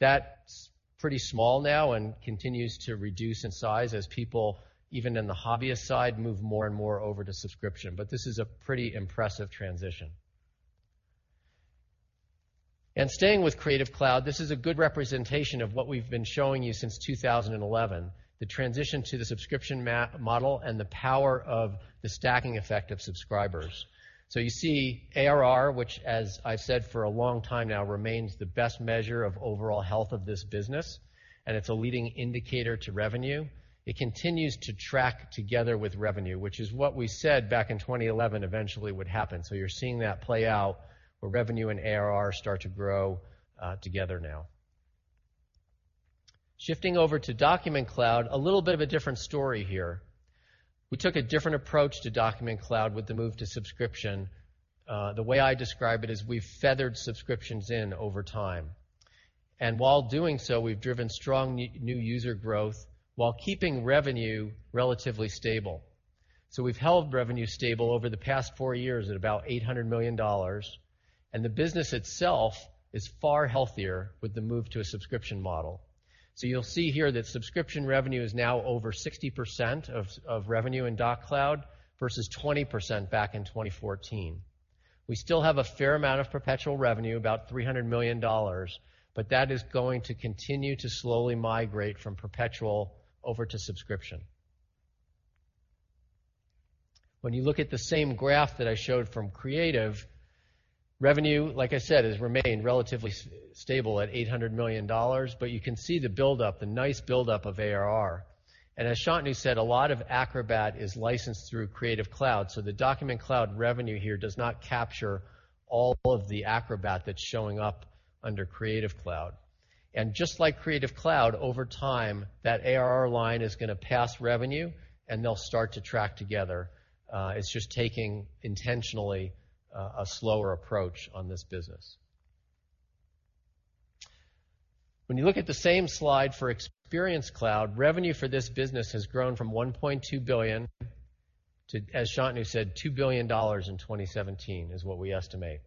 [SPEAKER 3] That's pretty small now and continues to reduce in size as people, even in the hobbyist side, move more and more over to subscription. This is a pretty impressive transition. Staying with Creative Cloud, this is a good representation of what we've been showing you since 2011, the transition to the subscription model and the power of the stacking effect of subscribers. You see ARR, which as I've said for a long time now, remains the best measure of overall health of this business, and it's a leading indicator to revenue. It continues to track together with revenue, which is what we said back in 2011 eventually would happen. You're seeing that play out where revenue and ARR start to grow together now. Shifting over to Document Cloud, a little bit of a different story here. We took a different approach to Document Cloud with the move to subscription. The way I describe it is we've feathered subscriptions in over time. While doing so, we've driven strong new user growth while keeping revenue relatively stable. We've held revenue stable over the past four years at about $800 million, and the business itself is far healthier with the move to a subscription model. You'll see here that subscription revenue is now over 60% of revenue in Doc Cloud versus 20% back in 2014. We still have a fair amount of perpetual revenue, about $300 million, that is going to continue to slowly migrate from perpetual over to subscription. When you look at the same graph that I showed from Creative, revenue, like I said, has remained relatively stable at $800 million, you can see the build-up, the nice build-up of ARR. As Shantanu said, a lot of Acrobat is licensed through Creative Cloud, so the Document Cloud revenue here does not capture all of the Acrobat that is showing up under Creative Cloud. Just like Creative Cloud, over time, that ARR line is going to pass revenue and they will start to track together. It is just taking intentionally a slower approach on this business. When you look at the same slide for Experience Cloud, revenue for this business has grown from $1.2 billion to, as Shantanu said, $2 billion in 2017 is what we estimate.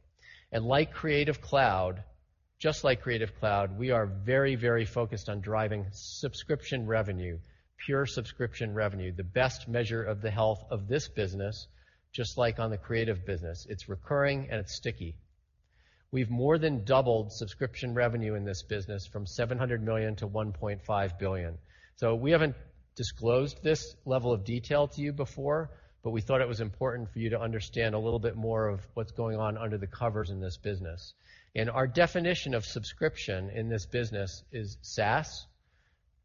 [SPEAKER 3] Like Creative Cloud, just like Creative Cloud, we are very focused on driving subscription revenue, pure subscription revenue, the best measure of the health of this business, just like on the creative business. It is recurring and it is sticky. We have more than doubled subscription revenue in this business from $700 million to $1.5 billion. We have not disclosed this level of detail to you before, but we thought it was important for you to understand a little bit more of what is going on under the covers in this business. Our definition of subscription in this business is SaaS,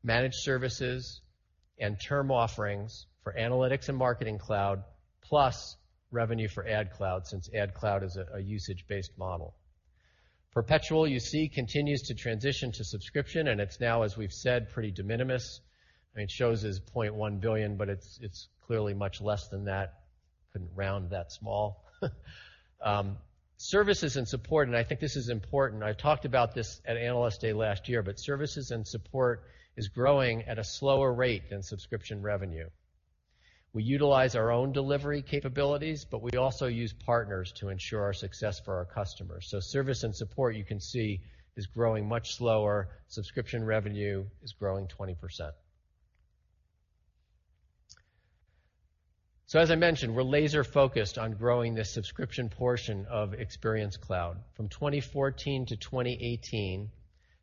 [SPEAKER 3] managed services, and term offerings for Analytics and Marketing Cloud, plus revenue for Ad Cloud, since Ad Cloud is a usage-based model. Perpetual, you see, continues to transition to subscription, and it is now, as we have said, pretty de minimis. It shows as $0.1 billion, but it is clearly much less than that. Could not round that small. Services and support, I think this is important. I talked about this at Analyst Day last year, but services and support is growing at a slower rate than subscription revenue. We utilize our own delivery capabilities, but we also use partners to ensure our success for our customers. Service and support, you can see, is growing much slower. Subscription revenue is growing 20%. As I mentioned, we are laser focused on growing this subscription portion of Experience Cloud. From 2014 to 2018,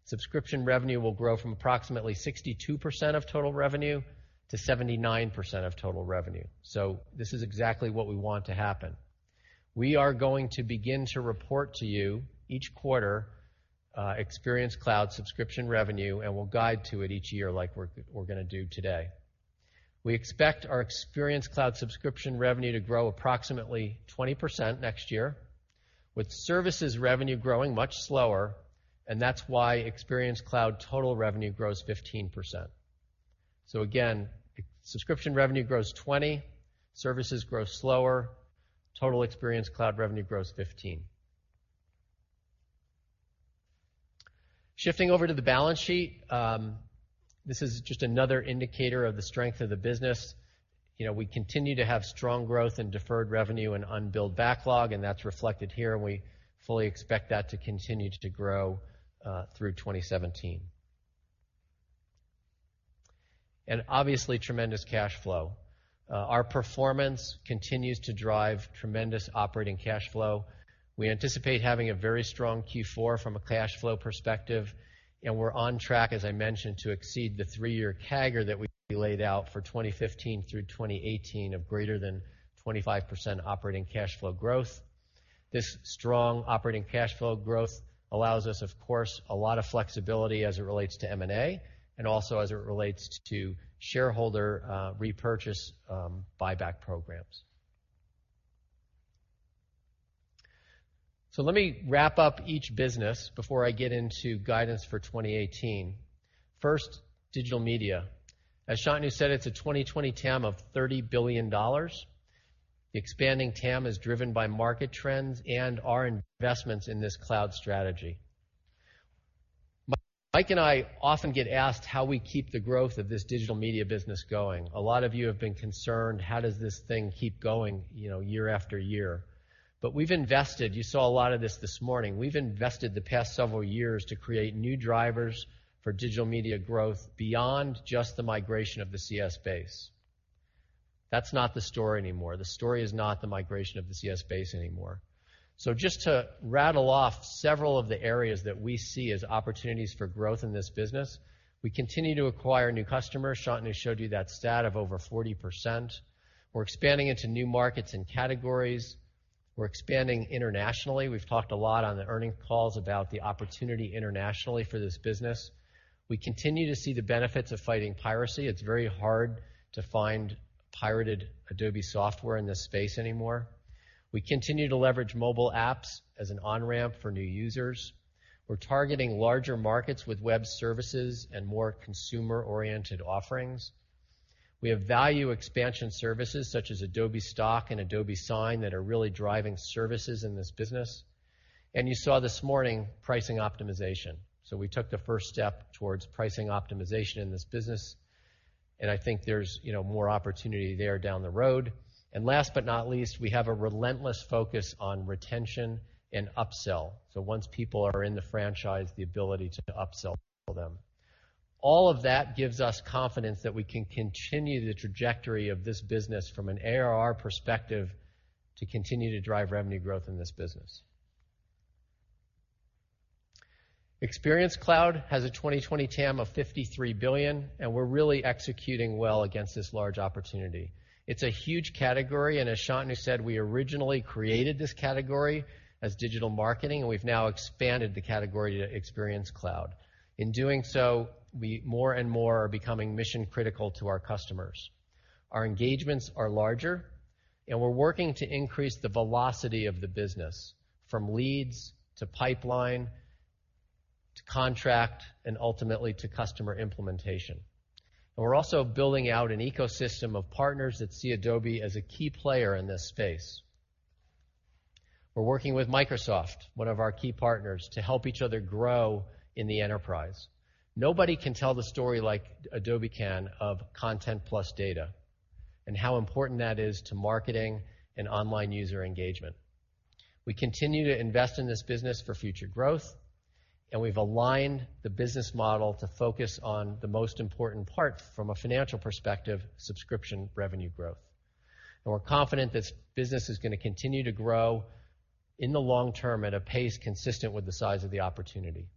[SPEAKER 3] subscription revenue will grow from approximately 62% of total revenue to 79% of total revenue. This is exactly what we want to happen. We are going to begin to report to you each quarter Experience Cloud subscription revenue, and we will guide to it each year like we are going to do today. We expect our Experience Cloud subscription revenue to grow approximately 20% next year, with services revenue growing much slower, and that is why Experience Cloud total revenue grows 15%. Again, subscription revenue grows 20%, services grow slower, total Experience Cloud revenue grows 15%. Shifting over to the balance sheet. This is just another indicator of the strength of the business. We continue to have strong growth in deferred revenue and unbilled backlog, that is reflected here, and we fully expect that to continue to grow through 2017. Obviously, tremendous cash flow. Our performance continues to drive tremendous operating cash flow. We anticipate having a very strong Q4 from a cash flow perspective, and we are on track, as I mentioned, to exceed the three-year CAGR that we laid out for 2015 through 2018 of greater than 25% operating cash flow growth. This strong operating cash flow growth allows us, of course, a lot of flexibility as it relates to M&A and also as it relates to shareholder repurchase buyback programs. Let me wrap up each business before I get into guidance for 2018. First, Digital Media. As Shantanu said, it is a 2020 TAM of $30 billion. The expanding TAM is driven by market trends and our investments in this cloud strategy. Mike and I often get asked how we keep the growth of this Digital Media business going. A lot of you have been concerned, how does this thing keep going year after year? We've invested. You saw a lot of this this morning. We've invested the past several years to create new drivers for Digital Media growth beyond just the migration of the CS base. That's not the story anymore. The story is not the migration of the CS base anymore. Just to rattle off several of the areas that we see as opportunities for growth in this business, we continue to acquire new customers. Shantanu showed you that stat of over 40%. We're expanding into new markets and categories. We're expanding internationally. We've talked a lot on the earning calls about the opportunity internationally for this business. We continue to see the benefits of fighting piracy. It's very hard to find pirated Adobe software in this space anymore. We continue to leverage mobile apps as an on-ramp for new users. We're targeting larger markets with web services and more consumer-oriented offerings. We have value expansion services such as Adobe Stock and Adobe Sign that are really driving services in this business. You saw this morning pricing optimization. We took the first step towards pricing optimization in this business, and I think there's more opportunity there down the road. Last but not least, we have a relentless focus on retention and upsell. Once people are in the franchise, the ability to upsell them. All of that gives us confidence that we can continue the trajectory of this business from an ARR perspective to continue to drive revenue growth in this business. Experience Cloud has a 2020 TAM of $53 billion. We're really executing well against this large opportunity. It's a huge category, as Shantanu said, we originally created this category as digital marketing, and we've now expanded the category to Experience Cloud. In doing so, we more and more are becoming mission critical to our customers. Our engagements are larger. We're working to increase the velocity of the business, from leads to pipeline, to contract, and ultimately to customer implementation. We're also building out an ecosystem of partners that see Adobe as a key player in this space. We're working with Microsoft, one of our key partners, to help each other grow in the enterprise. Nobody can tell the story like Adobe can of content plus data and how important that is to marketing and online user engagement. We continue to invest in this business for future growth. We've aligned the business model to focus on the most important part from a financial perspective, subscription revenue growth. We're confident this business is going to continue to grow in the long term at a pace consistent with the size of the opportunity.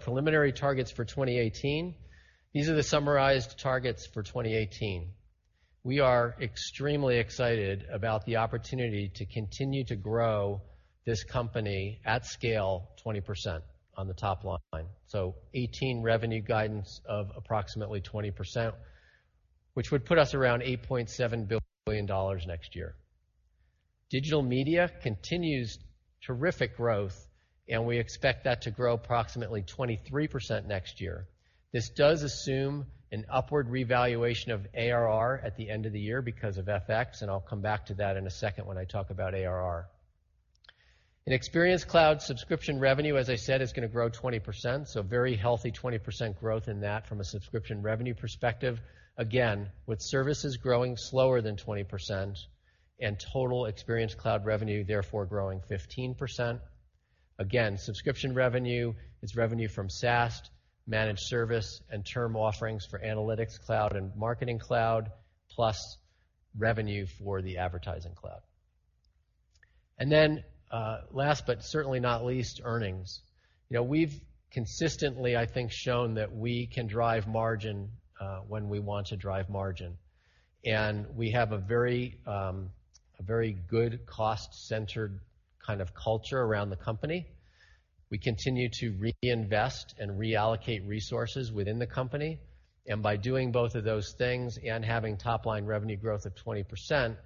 [SPEAKER 3] Preliminary targets for 2018, these are the summarized targets for 2018. We are extremely excited about the opportunity to continue to grow this company at scale 20% on the top line. 2018 revenue guidance of approximately 20%, which would put us around $8.7 billion next year. Digital Media continues terrific growth, and we expect that to grow approximately 23% next year. This does assume an upward revaluation of ARR at the end of the year because of FX. I'll come back to that in a second when I talk about ARR. Experience Cloud subscription revenue, as I said, is going to grow 20%, very healthy 20% growth in that from a subscription revenue perspective, again, with services growing slower than 20% and total Experience Cloud revenue, therefore growing 15%. Subscription revenue is revenue from SaaS, managed service, and term offerings for Analytics Cloud and Marketing Cloud, plus revenue for the Advertising Cloud. Last but certainly not least, earnings. We've consistently, I think, shown that we can drive margin, when we want to drive margin. We have a very good cost-centered kind of culture around the company. We continue to reinvest and reallocate resources within the company. By doing both of those things and having top-line revenue growth of 20%,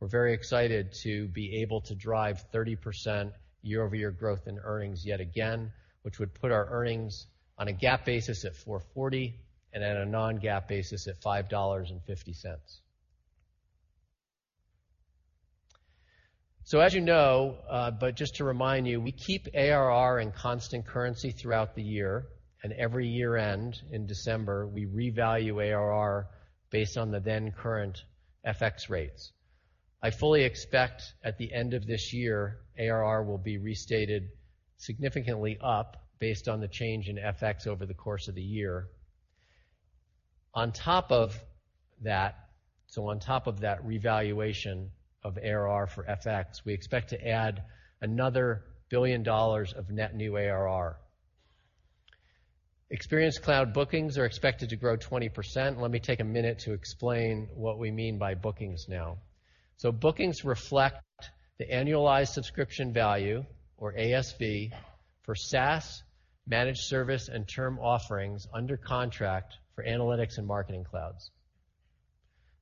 [SPEAKER 3] we're very excited to be able to drive 30% year-over-year growth in earnings yet again, which would put our earnings on a GAAP basis at $4.40 and at a non-GAAP basis at $5.50. As you know, but just to remind you, we keep ARR in constant currency throughout the year, and every year-end, in December, we revalue ARR based on the then-current FX rates. I fully expect at the end of this year, ARR will be restated significantly up based on the change in FX over the course of the year. On top of that, on top of that revaluation of ARR for FX, we expect to add another $1 billion of net new ARR. Experience Cloud bookings are expected to grow 20%. Let me take a minute to explain what we mean by bookings now. Bookings reflect the annualized subscription value, or ASV, for SaaS, managed service, and term offerings under contract for Analytics Cloud and Marketing Cloud.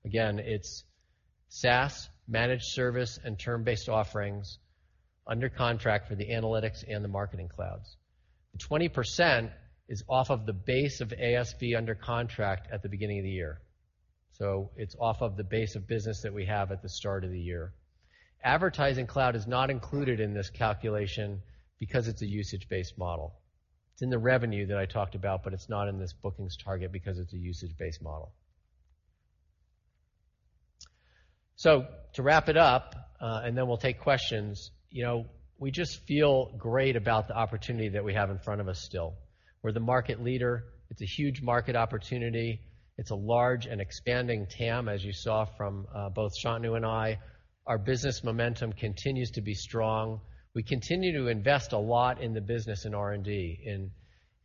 [SPEAKER 3] It's SaaS, managed service, and term-based offerings under contract for the Analytics Cloud and the Marketing Cloud. The 20% is off of the base of ASV under contract at the beginning of the year. It's off of the base of business that we have at the start of the year. Advertising Cloud is not included in this calculation because it's a usage-based model. It's in the revenue that I talked about, but it's not in this bookings target because it's a usage-based model. To wrap it up, and then we'll take questions. We just feel great about the opportunity that we have in front of us still. We're the market leader. It's a huge market opportunity. It's a large and expanding TAM, as you saw from both Shantanu and I. Our business momentum continues to be strong. We continue to invest a lot in the business in R&D,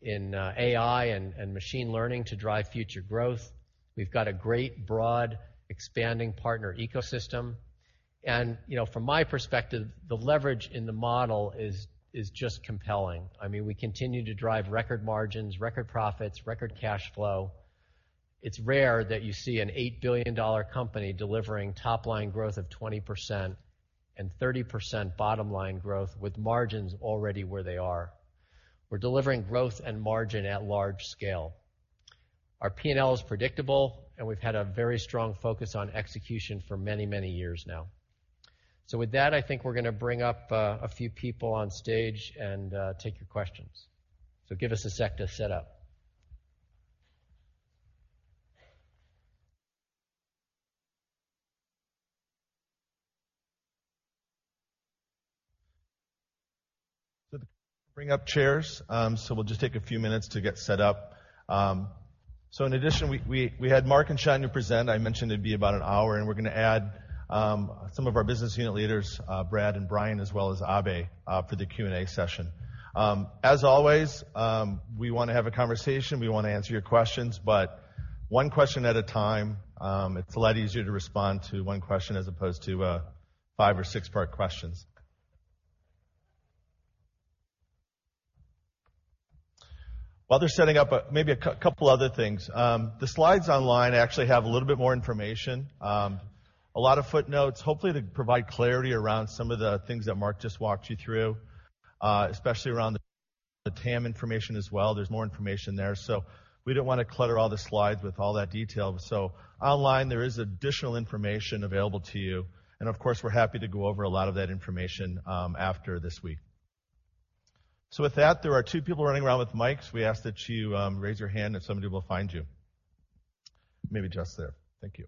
[SPEAKER 3] in AI and machine learning to drive future growth. We've got a great broad, expanding partner ecosystem. From my perspective, the leverage in the model is just compelling. We continue to drive record margins, record profits, record cash flow. It's rare that you see an $8 billion company delivering top-line growth of 20% and 30% bottom-line growth with margins already where they are. We're delivering growth and margin at large scale. Our P&L is predictable, and we've had a very strong focus on execution for many, many years now. With that, I think we're going to bring up a few people on stage and take your questions. Give us a sec to set up.
[SPEAKER 1] Bring up chairs. We'll just take a few minutes to get set up. In addition, we had Mark and Shantanu present. I mentioned it'd be about an hour, and we're going to add some of our business unit leaders, Brad and Bryan, as well as Abhay, for the Q&A session. As always, we want to have a conversation. We want to answer your questions, but one question at a time. It's a lot easier to respond to one question as opposed to five or six-part questions. While they're setting up, maybe a couple other things. The slides online actually have a little bit more information, a lot of footnotes, hopefully to provide clarity around some of the things that Mark just walked you through, especially around the TAM information as well. There's more information there. We didn't want to clutter all the slides with all that detail. Online, there is additional information available to you. Of course, we're happy to go over a lot of that information after this week. With that, there are two people running around with mics. We ask that you raise your hand and somebody will find you.
[SPEAKER 2] Maybe just there. Thank you.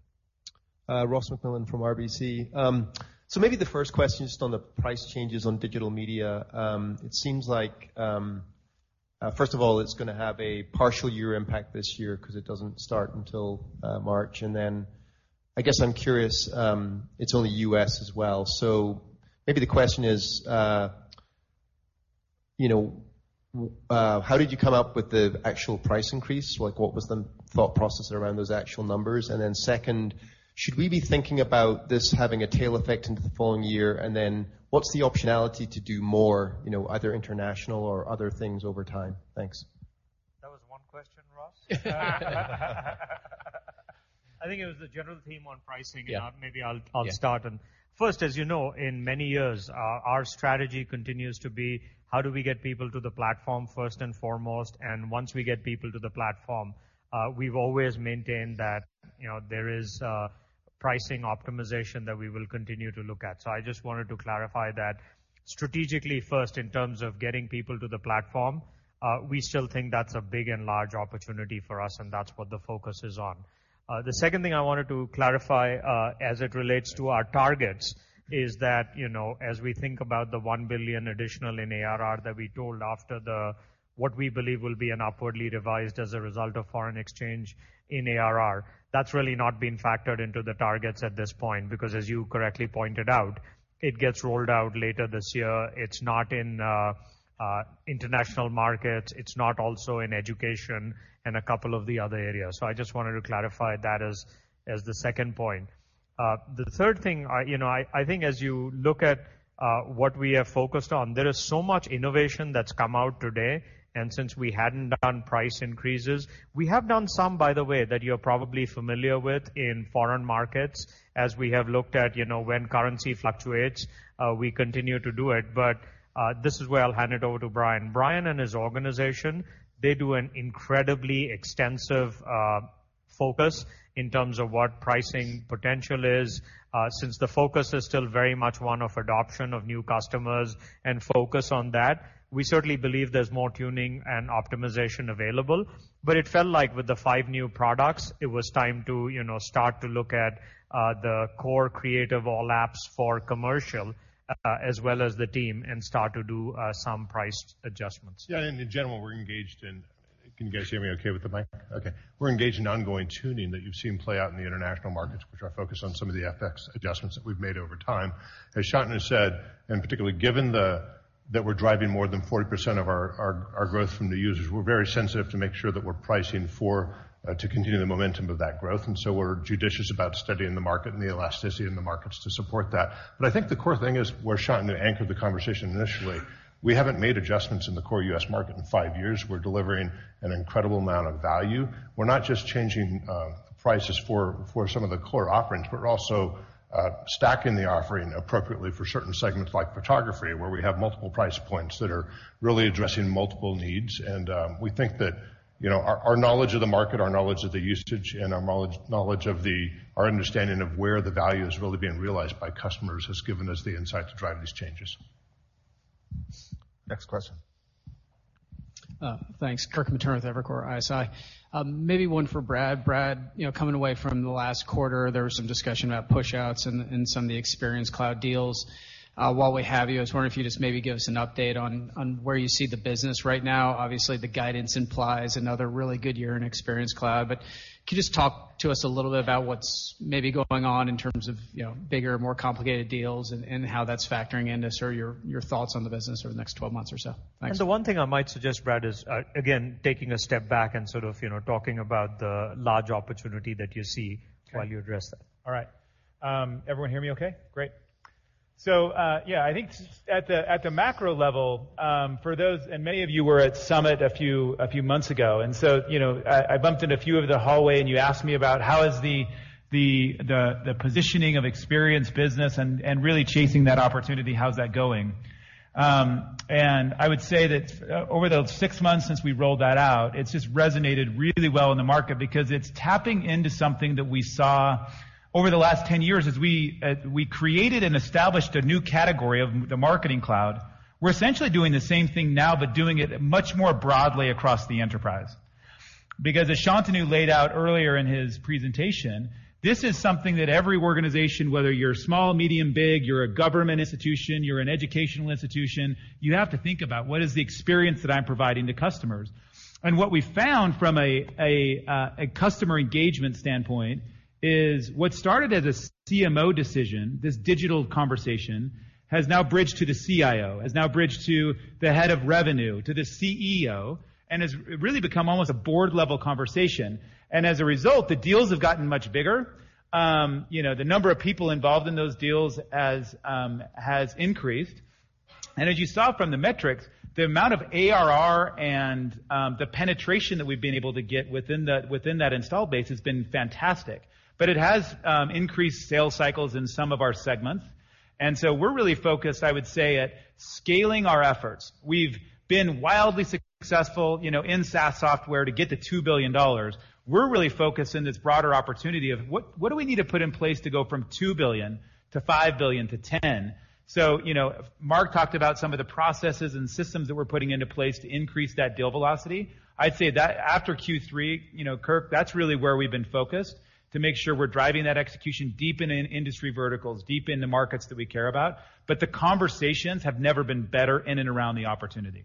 [SPEAKER 4] Ross MacMillan from RBC. Maybe the first question is just on the price changes on Digital Media. It seems like, first of all, it's going to have a partial year impact this year because it doesn't start until March. I guess I'm curious, it's only U.S. as well. Maybe the question is how did you come up with the actual price increase? What was the thought process around those actual numbers? Second, should we be thinking about this having a tail effect into the following year? What's the optionality to do more, either international or other things over time? Thanks.
[SPEAKER 2] That was one question, Ross? I think it was the general theme on pricing-
[SPEAKER 4] Yeah
[SPEAKER 2] Maybe I'll start. First, as you know, in many years, our strategy continues to be how do we get people to the platform first and foremost, and once we get people to the platform, we've always maintained that there is pricing optimization that we will continue to look at. I just wanted to clarify that strategically first in terms of getting people to the platform, we still think that's a big and large opportunity for us, and that's what the focus is on. The second thing I wanted to clarify, as it relates to our targets is that, as we think about the $1 billion additional in ARR that we told after the, what we believe will be an upwardly revised as a result of foreign exchange in ARR. That's really not been factored into the targets at this point because, as you correctly pointed out, it gets rolled out later this year. It's not in international markets. It's not also in education and a couple of the other areas. I just wanted to clarify that as the second point. The third thing, I think as you look at what we have focused on, there is so much innovation that's come out today. Since we hadn't done price increases, we have done some, by the way, that you're probably familiar with in foreign markets. As we have looked at when currency fluctuates, we continue to do it. This is where I'll hand it over to Bryan. Bryan and his organization, they do an incredibly extensive focus in terms of what pricing potential is, since the focus is still very much one of adoption of new customers and focus on that. We certainly believe there's more tuning and optimization available. It felt like with the five new products, it was time to start to look at the core creative all apps for commercial, as well as the team and start to do some price adjustments.
[SPEAKER 5] In general, we're engaged in-- can you guys hear me okay with the mic? Okay. We're engaged in ongoing tuning that you've seen play out in the international markets, which are focused on some of the FX adjustments that we've made over time. As Shantanu said, particularly given that we're driving more than 40% of our growth from new users. We're very sensitive to make sure that we're pricing to continue the momentum of that growth, we're judicious about studying the market and the elasticity in the markets to support that. I think the core thing is, where Shantanu anchored the conversation initially, we haven't made adjustments in the core U.S. market in five years. We're delivering an incredible amount of value. We're not just changing prices for some of the core offerings, we're also stacking the offering appropriately for certain segments like photography, where we have multiple price points that are really addressing multiple needs. We think that our knowledge of the market, our knowledge of the usage, and our understanding of where the value is really being realized by customers has given us the insight to drive these changes.
[SPEAKER 2] Next question.
[SPEAKER 6] Thanks. Kirk Materne with Evercore ISI. Maybe one for Brad. Brad, coming away from the last quarter, there was some discussion about pushouts in some of the Experience Cloud deals. While we have you, I was wondering if you'd just maybe give us an update on where you see the business right now. Obviously, the guidance implies another really good year in Experience Cloud. Can you just talk to us a little bit about what's maybe going on in terms of bigger, more complicated deals and how that's factoring into sort of your thoughts on the business over the next 12 months or so? Thanks.
[SPEAKER 2] The one thing I might suggest, Brad, is, again, taking a step back and sort of talking about the large opportunity that you see.
[SPEAKER 7] Okay
[SPEAKER 2] while you address that.
[SPEAKER 7] All right. Everyone hear me okay? Great. Yeah, I think at the macro level, for those, many of you were at Adobe Summit a few months ago. I bumped into a few of you in the hallway, and you asked me about how is the positioning of experience business and really chasing that opportunity, how's that going? I would say that over the 6 months since we rolled that out, it's just resonated really well in the market because it's tapping into something that we saw over the last 10 years as we created and established a new category of the Marketing Cloud. We're essentially doing the same thing now but doing it much more broadly across the enterprise. As Shantanu laid out earlier in his presentation, this is something that every organization, whether you're small, medium, big, you're a government institution, you're an educational institution, you have to think about what is the experience that I'm providing to customers. What we found from a customer engagement standpoint is what started as a CMO decision, this digital conversation, has now bridged to the CIO, has now bridged to the head of revenue, to the CEO, and has really become almost a board-level conversation. As a result, the deals have gotten much bigger. The number of people involved in those deals has increased. As you saw from the metrics, the amount of ARR and the penetration that we've been able to get within that install base has been fantastic. It has increased sales cycles in some of our segments. We're really focused, I would say, at scaling our efforts. We've been wildly successful in SaaS software to get to $2 billion. We're really focused on this broader opportunity of what do we need to put in place to go from $2 billion to $5 billion to $10 billion? Mark talked about some of the processes and systems that we're putting into place to increase that deal velocity. I'd say that after Q3, Kirk, that's really where we've been focused to make sure we're driving that execution deep in industry verticals, deep in the markets that we care about. The conversations have never been better in and around the opportunity.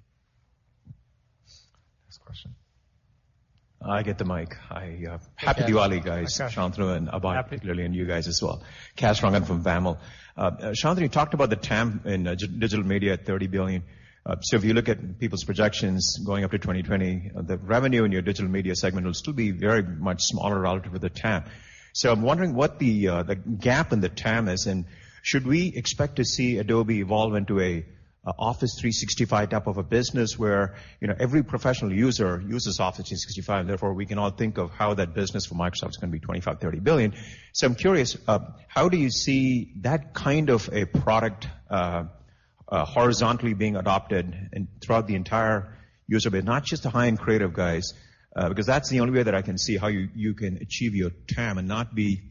[SPEAKER 8] Next question. I get the mic. Hi. Happy Diwali, guys. Hi, Kash. Shantanu and Abhay- Happy particularly, and you guys as well. Kash Rangan from BAML. Shantanu, you talked about the TAM in Digital Media at $30 billion. If you look at people's projections going up to 2020, the revenue in your Digital Media segment will still be very much smaller relative to the TAM. I'm wondering what the gap in the TAM is, and should we expect to see Adobe evolve into an Office 365 type of a business where every professional user uses Office 365, therefore, we can all think of how that business for Microsoft is going to be $25 billion, $30 billion. I'm curious, how do you see that kind of a product horizontally being adopted and throughout the entire user base, not just the high-end creative guys, because that's the only way that I can see how you can achieve your TAM and not be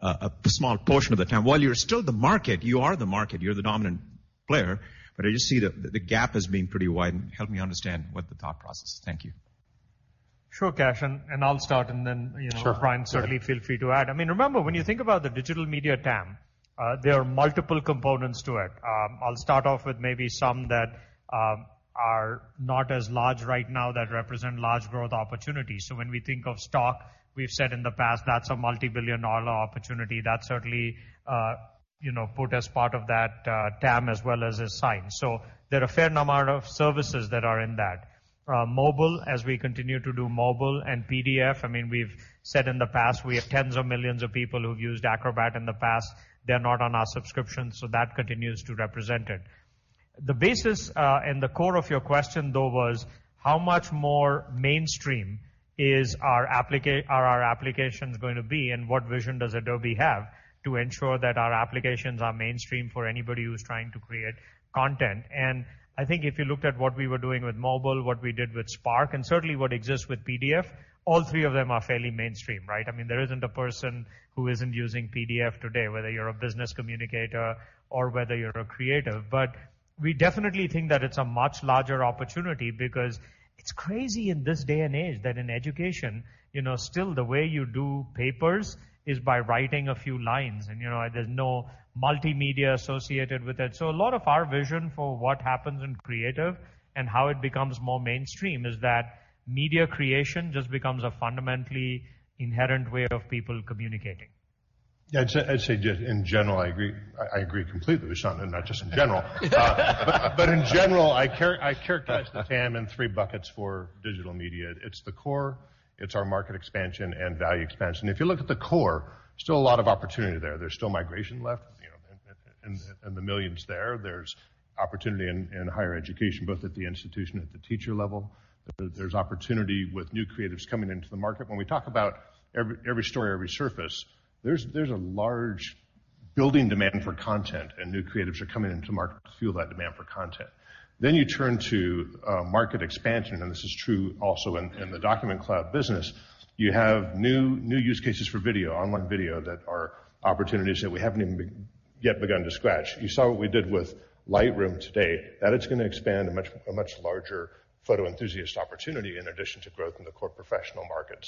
[SPEAKER 8] a small portion of the TAM. While you're still the market, you are the market, you're the dominant player, I just see the gap as being pretty wide, help me understand what the thought process is. Thank you.
[SPEAKER 2] Sure, Kash. I'll start.
[SPEAKER 8] Sure
[SPEAKER 2] Bryan, certainly feel free to add. Remember, when you think about the Digital Media TAM, there are multiple components to it. I'll start off with maybe some that are not as large right now that represent large growth opportunities. When we think of Stock, we've said in the past, that's a multi-billion-dollar opportunity. That's certainly put as part of that TAM as well as Adobe Sign. There are a fair number of services that are in that. Mobile, as we continue to do mobile, and PDF, we've said in the past, we have tens of millions of people who've used Acrobat in the past. They're not on our subscription, so that continues to represent it. The basis and the core of your question, though, was how much more mainstream is our applications going to be, and what vision does Adobe have to ensure that our applications are mainstream for anybody who's trying to create content? I think if you looked at what we were doing with mobile, what we did with Spark, and certainly what exists with PDF, all three of them are fairly mainstream, right? There isn't a person who isn't using PDF today, whether you're a business communicator or whether you're a creative. We definitely think that it's a much larger opportunity because it's crazy in this day and age that in education, still the way you do papers is by writing a few lines, and there's no multimedia associated with it. A lot of our vision for what happens in creative and how it becomes more mainstream is that media creation just becomes a fundamentally inherent way of people communicating.
[SPEAKER 5] I'd say just in general, I agree completely with Shantanu, not just in general. In general, I characterize the TAM in 3 buckets for Digital Media. It's the core, it's our market expansion, and value expansion. If you look at the core, still a lot of opportunity there. There's still migration left, in the $ millions there. There's opportunity in higher education, both at the institution, at the teacher level. There's opportunity with new creatives coming into the market. When we talk about every story, every surface, there's a large building demand for content, new creatives are coming into market to fill that demand for content. You turn to market expansion, this is true also in the Document Cloud business. You have new use cases for video, online video, that are opportunities that we haven't even yet begun to scratch. You saw what we did with Lightroom today. That is going to expand a much larger photo enthusiast opportunity in addition to growth in the core professional market.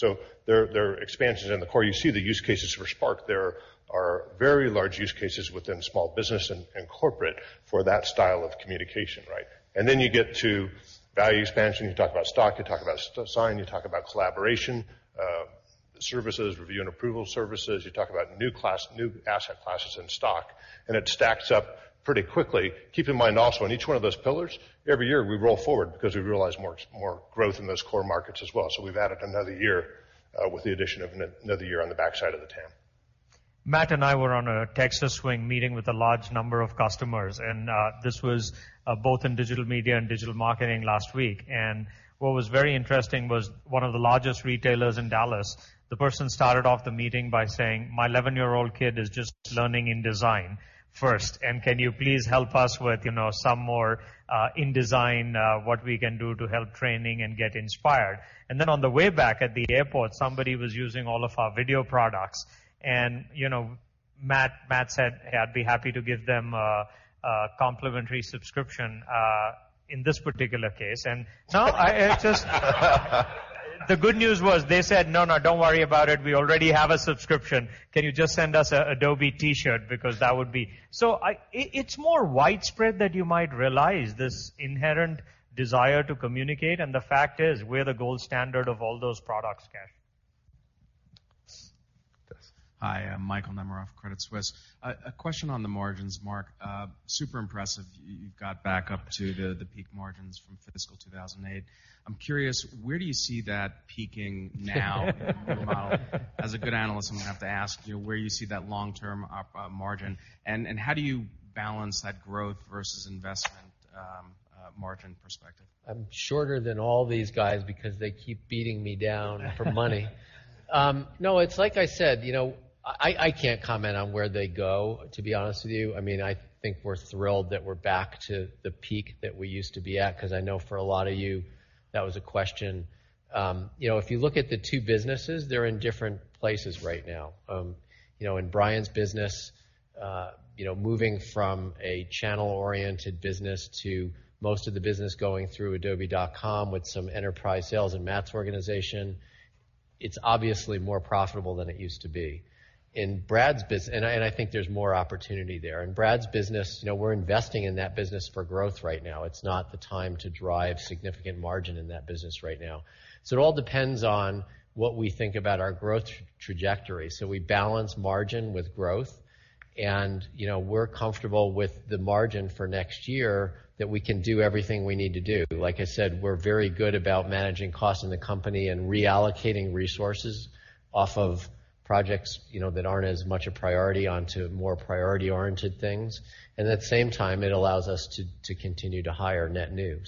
[SPEAKER 5] There are expansions in the core. You see the use cases for Adobe Spark. There are very large use cases within small business and corporate for that style of communication, right? You get to value expansion. You talk about Stock, you talk about Sign, you talk about collaboration, services, review and approval services. You talk about new asset classes in Stock, it stacks up pretty quickly. Keep in mind also, in each one of those pillars, every year we roll forward because we realize more growth in those core markets as well. We've added another year with the addition of another year on the backside of the TAM.
[SPEAKER 2] Matt and I were on a Texas swing meeting with a large number of customers, this was both in Digital Media and digital marketing last week. What was very interesting was one of the largest retailers in Dallas, the person started off the meeting by saying, "My 11-year-old kid is just learning InDesign first, can you please help us with some more InDesign, what we can do to help training and get inspired." On the way back at the airport, somebody was using all of our video products. Matt said, "I'd be happy to give them a complimentary subscription in this particular case." The good news was they said, "No, no, don't worry about it. We already have a subscription. Can you just send us an Adobe T-shirt because that would be" It's more widespread than you might realize, this inherent desire to communicate, the fact is we're the gold standard of all those products, Kash.
[SPEAKER 8] Yes.
[SPEAKER 9] Hi, I'm Michael Nemeroff, Credit Suisse. A question on the margins, Mark. Super impressive you've got back up to the peak margins from fiscal 2008. I'm curious, where do you see that peaking now? As a good analyst, I'm going to have to ask you where you see that long-term margin, and how do you balance that growth versus investment Margin perspective.
[SPEAKER 3] I'm shorter than all these guys because they keep beating me down for money. No, it's like I said, I can't comment on where they go, to be honest with you. I think we're thrilled that we're back to the peak that we used to be at, because I know for a lot of you, that was a question. If you look at the two businesses, they're in different places right now. In Bryan's business, moving from a channel-oriented business to most of the business going through adobe.com with some enterprise sales in Matt's organization, it's obviously more profitable than it used to be. I think there's more opportunity there. In Brad's business, we're investing in that business for growth right now. It's not the time to drive significant margin in that business right now. It all depends on what we think about our growth trajectory. We balance margin with growth, and we're comfortable with the margin for next year that we can do everything we need to do. Like I said, we're very good about managing costs in the company and reallocating resources off of projects that aren't as much a priority onto more priority-oriented things. At the same time, it allows us to continue to hire net new.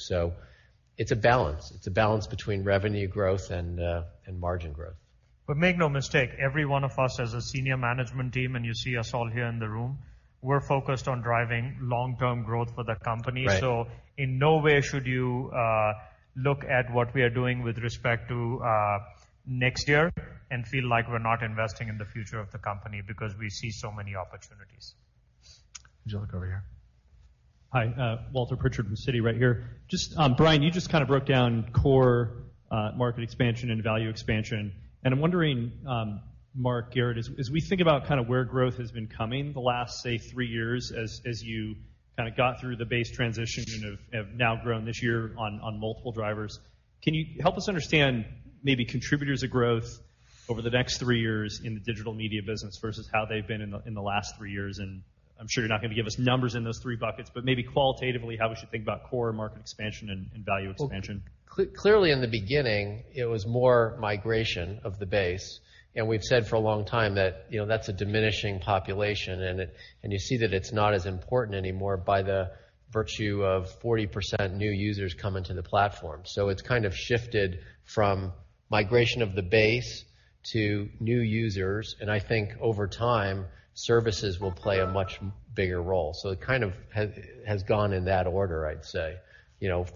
[SPEAKER 3] It's a balance. It's a balance between revenue growth and margin growth.
[SPEAKER 2] Make no mistake, every one of us as a senior management team, and you see us all here in the room, we're focused on driving long-term growth for the company.
[SPEAKER 3] Right.
[SPEAKER 2] In no way should you look at what we are doing with respect to next year and feel like we're not investing in the future of the company because we see so many opportunities.
[SPEAKER 5] Angelique over here.
[SPEAKER 10] Hi, Walter Pritchard from Citi, right here. Bryan, you just kind of broke down core market expansion and value expansion, I'm wondering, Mark Garrett, as we think about kind of where growth has been coming the last, say, three years as you kind of got through the base transition and have now grown this year on multiple drivers, can you help us understand maybe contributors of growth over the next three years in the Digital Media business versus how they've been in the last three years? I'm sure you're not going to give us numbers in those three buckets, but maybe qualitatively how we should think about core market expansion and value expansion.
[SPEAKER 3] Clearly in the beginning, it was more migration of the base, and we've said for a long time that's a diminishing population, and you see that it's not as important anymore by the virtue of 40% new users coming to the platform. It's kind of shifted from migration of the base to new users, and I think over time, services will play a much bigger role. It kind of has gone in that order, I'd say.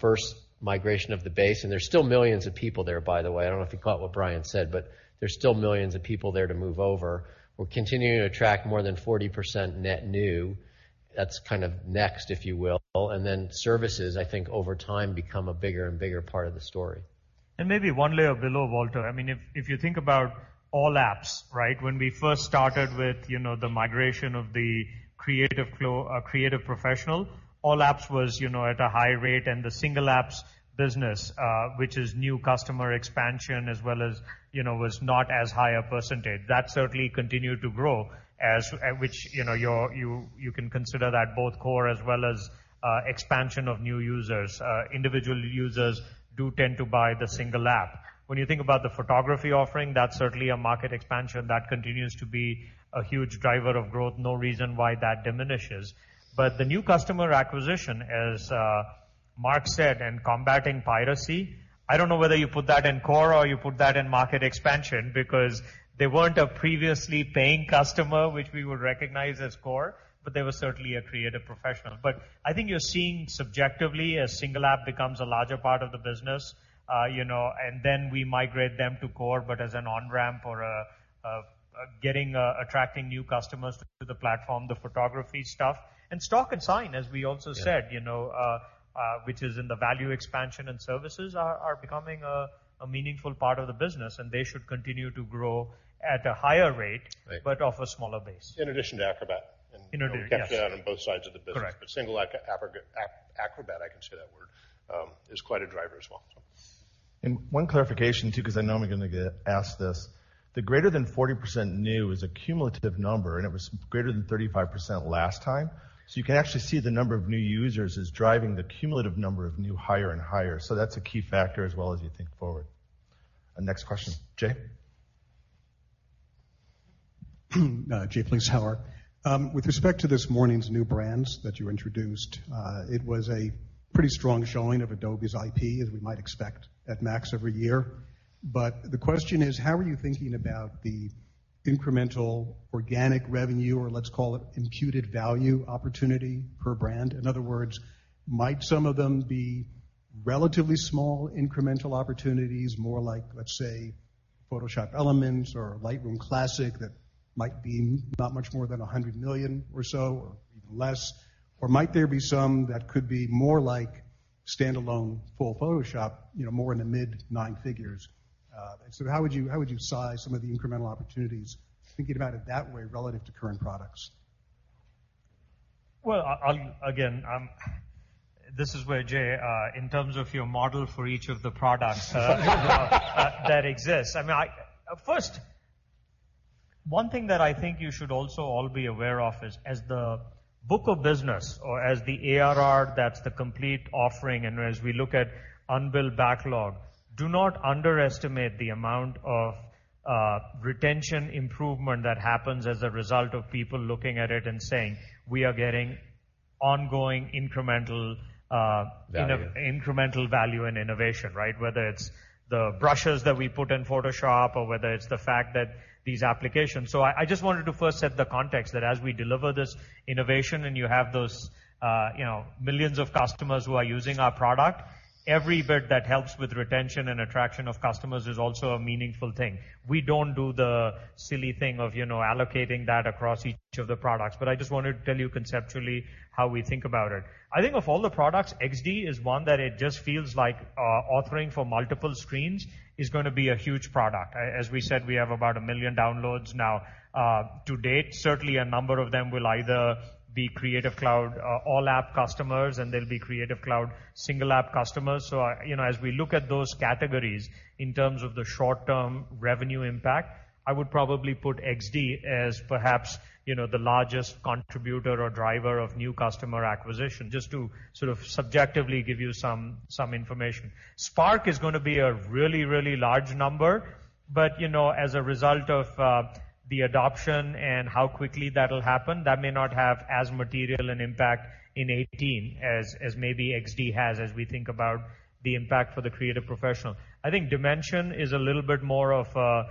[SPEAKER 3] First migration of the base, and there's still millions of people there, by the way. I don't know if you caught what Bryan said, but there's still millions of people there to move over. We're continuing to track more than 40% net new. That's kind of next, if you will. Then services, I think over time become a bigger and bigger part of the story.
[SPEAKER 2] Maybe one layer below, Walter. If you think about all apps. When we first started with the migration of the creative professional, all apps was at a high rate, and the single apps business, which is new customer expansion as well as was not as high a percentage. That certainly continued to grow as which you can consider that both core as well as expansion of new users. Individual users do tend to buy the single app. When you think about the photography offering, that's certainly a market expansion that continues to be a huge driver of growth. No reason why that diminishes. The new customer acquisition, as Mark said, and combating piracy, I don't know whether you put that in core or you put that in market expansion because they weren't a previously paying customer, which we would recognize as core, but they were certainly a creative professional. I think you're seeing subjectively a single app becomes a larger part of the business, and then we migrate them to core, but as an on-ramp or getting attracting new customers to the platform, the photography stuff. Stock and Sign, as we also said.
[SPEAKER 3] Yeah.
[SPEAKER 2] Which is in the value expansion and services are becoming a meaningful part of the business, and they should continue to grow at a higher rate-
[SPEAKER 3] Right
[SPEAKER 2] Off a smaller base.
[SPEAKER 5] In addition to Acrobat.
[SPEAKER 2] In addition, yes.
[SPEAKER 5] We captured that on both sides of the business.
[SPEAKER 2] Correct.
[SPEAKER 5] Single Acrobat, I can say that word, is quite a driver as well.
[SPEAKER 3] One clarification, too, because I know I'm going to get asked this. The greater than 40% new is a cumulative number, and it was greater than 35% last time. You can actually see the number of new users is driving the cumulative number of new higher and higher. That's a key factor as well as you think forward. Next question. Jay?
[SPEAKER 11] Jay. With respect to this morning's new brands that you introduced, it was a pretty strong showing of Adobe's IP, as we might expect at MAX every year. The question is, how are you thinking about the incremental organic revenue, or let's call it imputed value opportunity per brand? In other words, might some of them be relatively small incremental opportunities, more like, let's say, Photoshop Elements or Lightroom Classic that might be not much more than $100 million or so or even less? Or might there be some that could be more like standalone full Photoshop, more in the mid nine figures? How would you size some of the incremental opportunities, thinking about it that way relative to current products?
[SPEAKER 2] Well, again, this is where Jay, in terms of your model for each of the products that exists. First, one thing that I think you should also all be aware of is as the book of business or as the ARR, that's the complete offering, and as we look at unbilled backlog, do not underestimate the amount of retention improvement that happens as a result of people looking at it and saying, "We are getting Ongoing incremental-
[SPEAKER 5] Value
[SPEAKER 2] incremental value and innovation. Whether it's the brushes that we put in Photoshop or whether it's the fact that these applications. I just wanted to first set the context that as we deliver this innovation and you have those millions of customers who are using our product, every bit that helps with retention and attraction of customers is also a meaningful thing. We don't do the silly thing of allocating that across each of the products, but I just wanted to tell you conceptually how we think about it. I think of all the products, Adobe XD is one that it just feels like authoring for multiple screens is going to be a huge product. As we said, we have about 1 million downloads now. To date, certainly a number of them will either be Creative Cloud all-app customers, and they'll be Creative Cloud single-app customers. As we look at those categories in terms of the short-term revenue impact, I would probably put Adobe XD as perhaps the largest contributor or driver of new customer acquisition, just to subjectively give you some information. Adobe Spark is going to be a really, really large number, but as a result of the adoption and how quickly that'll happen, that may not have as material an impact in 2018 as maybe Adobe XD has as we think about the impact for the creative professional. I think Adobe Dimension is a little bit more of a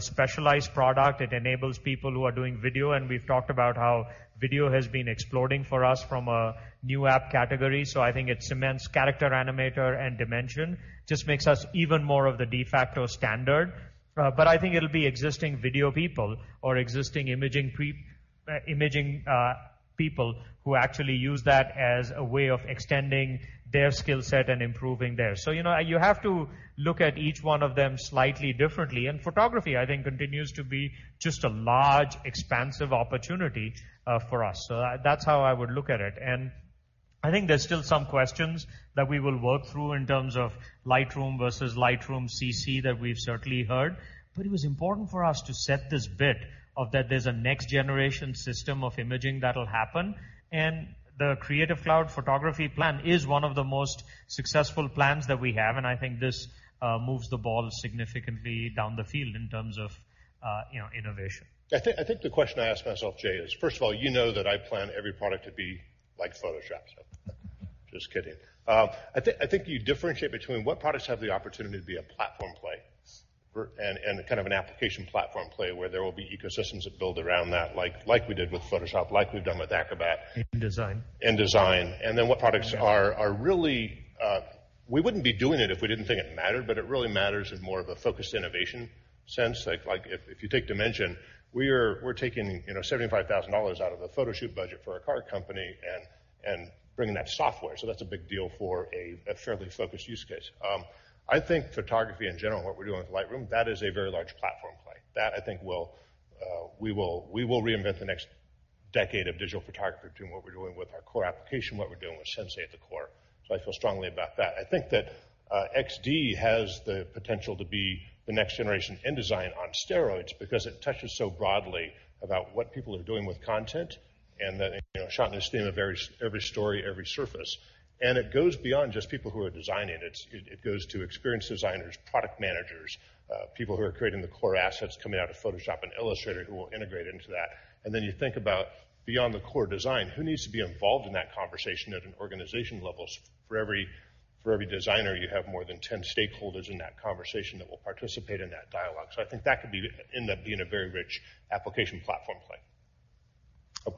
[SPEAKER 2] specialized product. It enables people who are doing video, and we've talked about how video has been exploding for us from a new app category. I think it cements Adobe Character Animator and Adobe Dimension, just makes us even more of the de facto standard. I think it'll be existing video people or existing imaging people who actually use that as a way of extending their skill set and improving there. You have to look at each one of them slightly differently. Photography, I think continues to be just a large expansive opportunity for us. That's how I would look at it. I think there's still some questions that we will work through in terms of Lightroom versus Lightroom CC that we've certainly heard. It was important for us to set this bit of that there's a next-generation system of imaging that'll happen, and the Creative Cloud photography plan is one of the most successful plans that we have, and I think this moves the ball significantly down the field in terms of innovation.
[SPEAKER 5] I think the question I ask myself, Jay, is, first of all, you know that I plan every product to be like Photoshop. Just kidding. I think you differentiate between what products have the opportunity to be a platform play, and kind of an application platform play where there will be ecosystems that build around that like we did with Photoshop, like we've done with Acrobat.
[SPEAKER 2] InDesign.
[SPEAKER 5] InDesign, what products are really, we wouldn't be doing it if we didn't think it mattered, but it really matters in more of a focused innovation sense. If you take Dimension, we're taking $75,000 out of the photoshoot budget for a car company and bringing that software. That's a big deal for a fairly focused use case. I think photography in general, what we're doing with Lightroom, that is a very large platform play. I think we will reinvent the next decade of digital photography doing what we're doing with our core application, what we're doing with Sensei at the core. I feel strongly about that. I think that XD has the potential to be the next generation InDesign on steroids because it touches so broadly about what people are doing with content, that shot and stream of every story, every surface, it goes beyond just people who are designing it. It goes to experience designers, product managers, people who are creating the core assets coming out of Photoshop and Illustrator who will integrate into that. Then you think about beyond the core design, who needs to be involved in that conversation at an organization level? For every designer, you have more than 10 stakeholders in that conversation that will participate in that dialogue. I think that could end up being a very rich application platform play.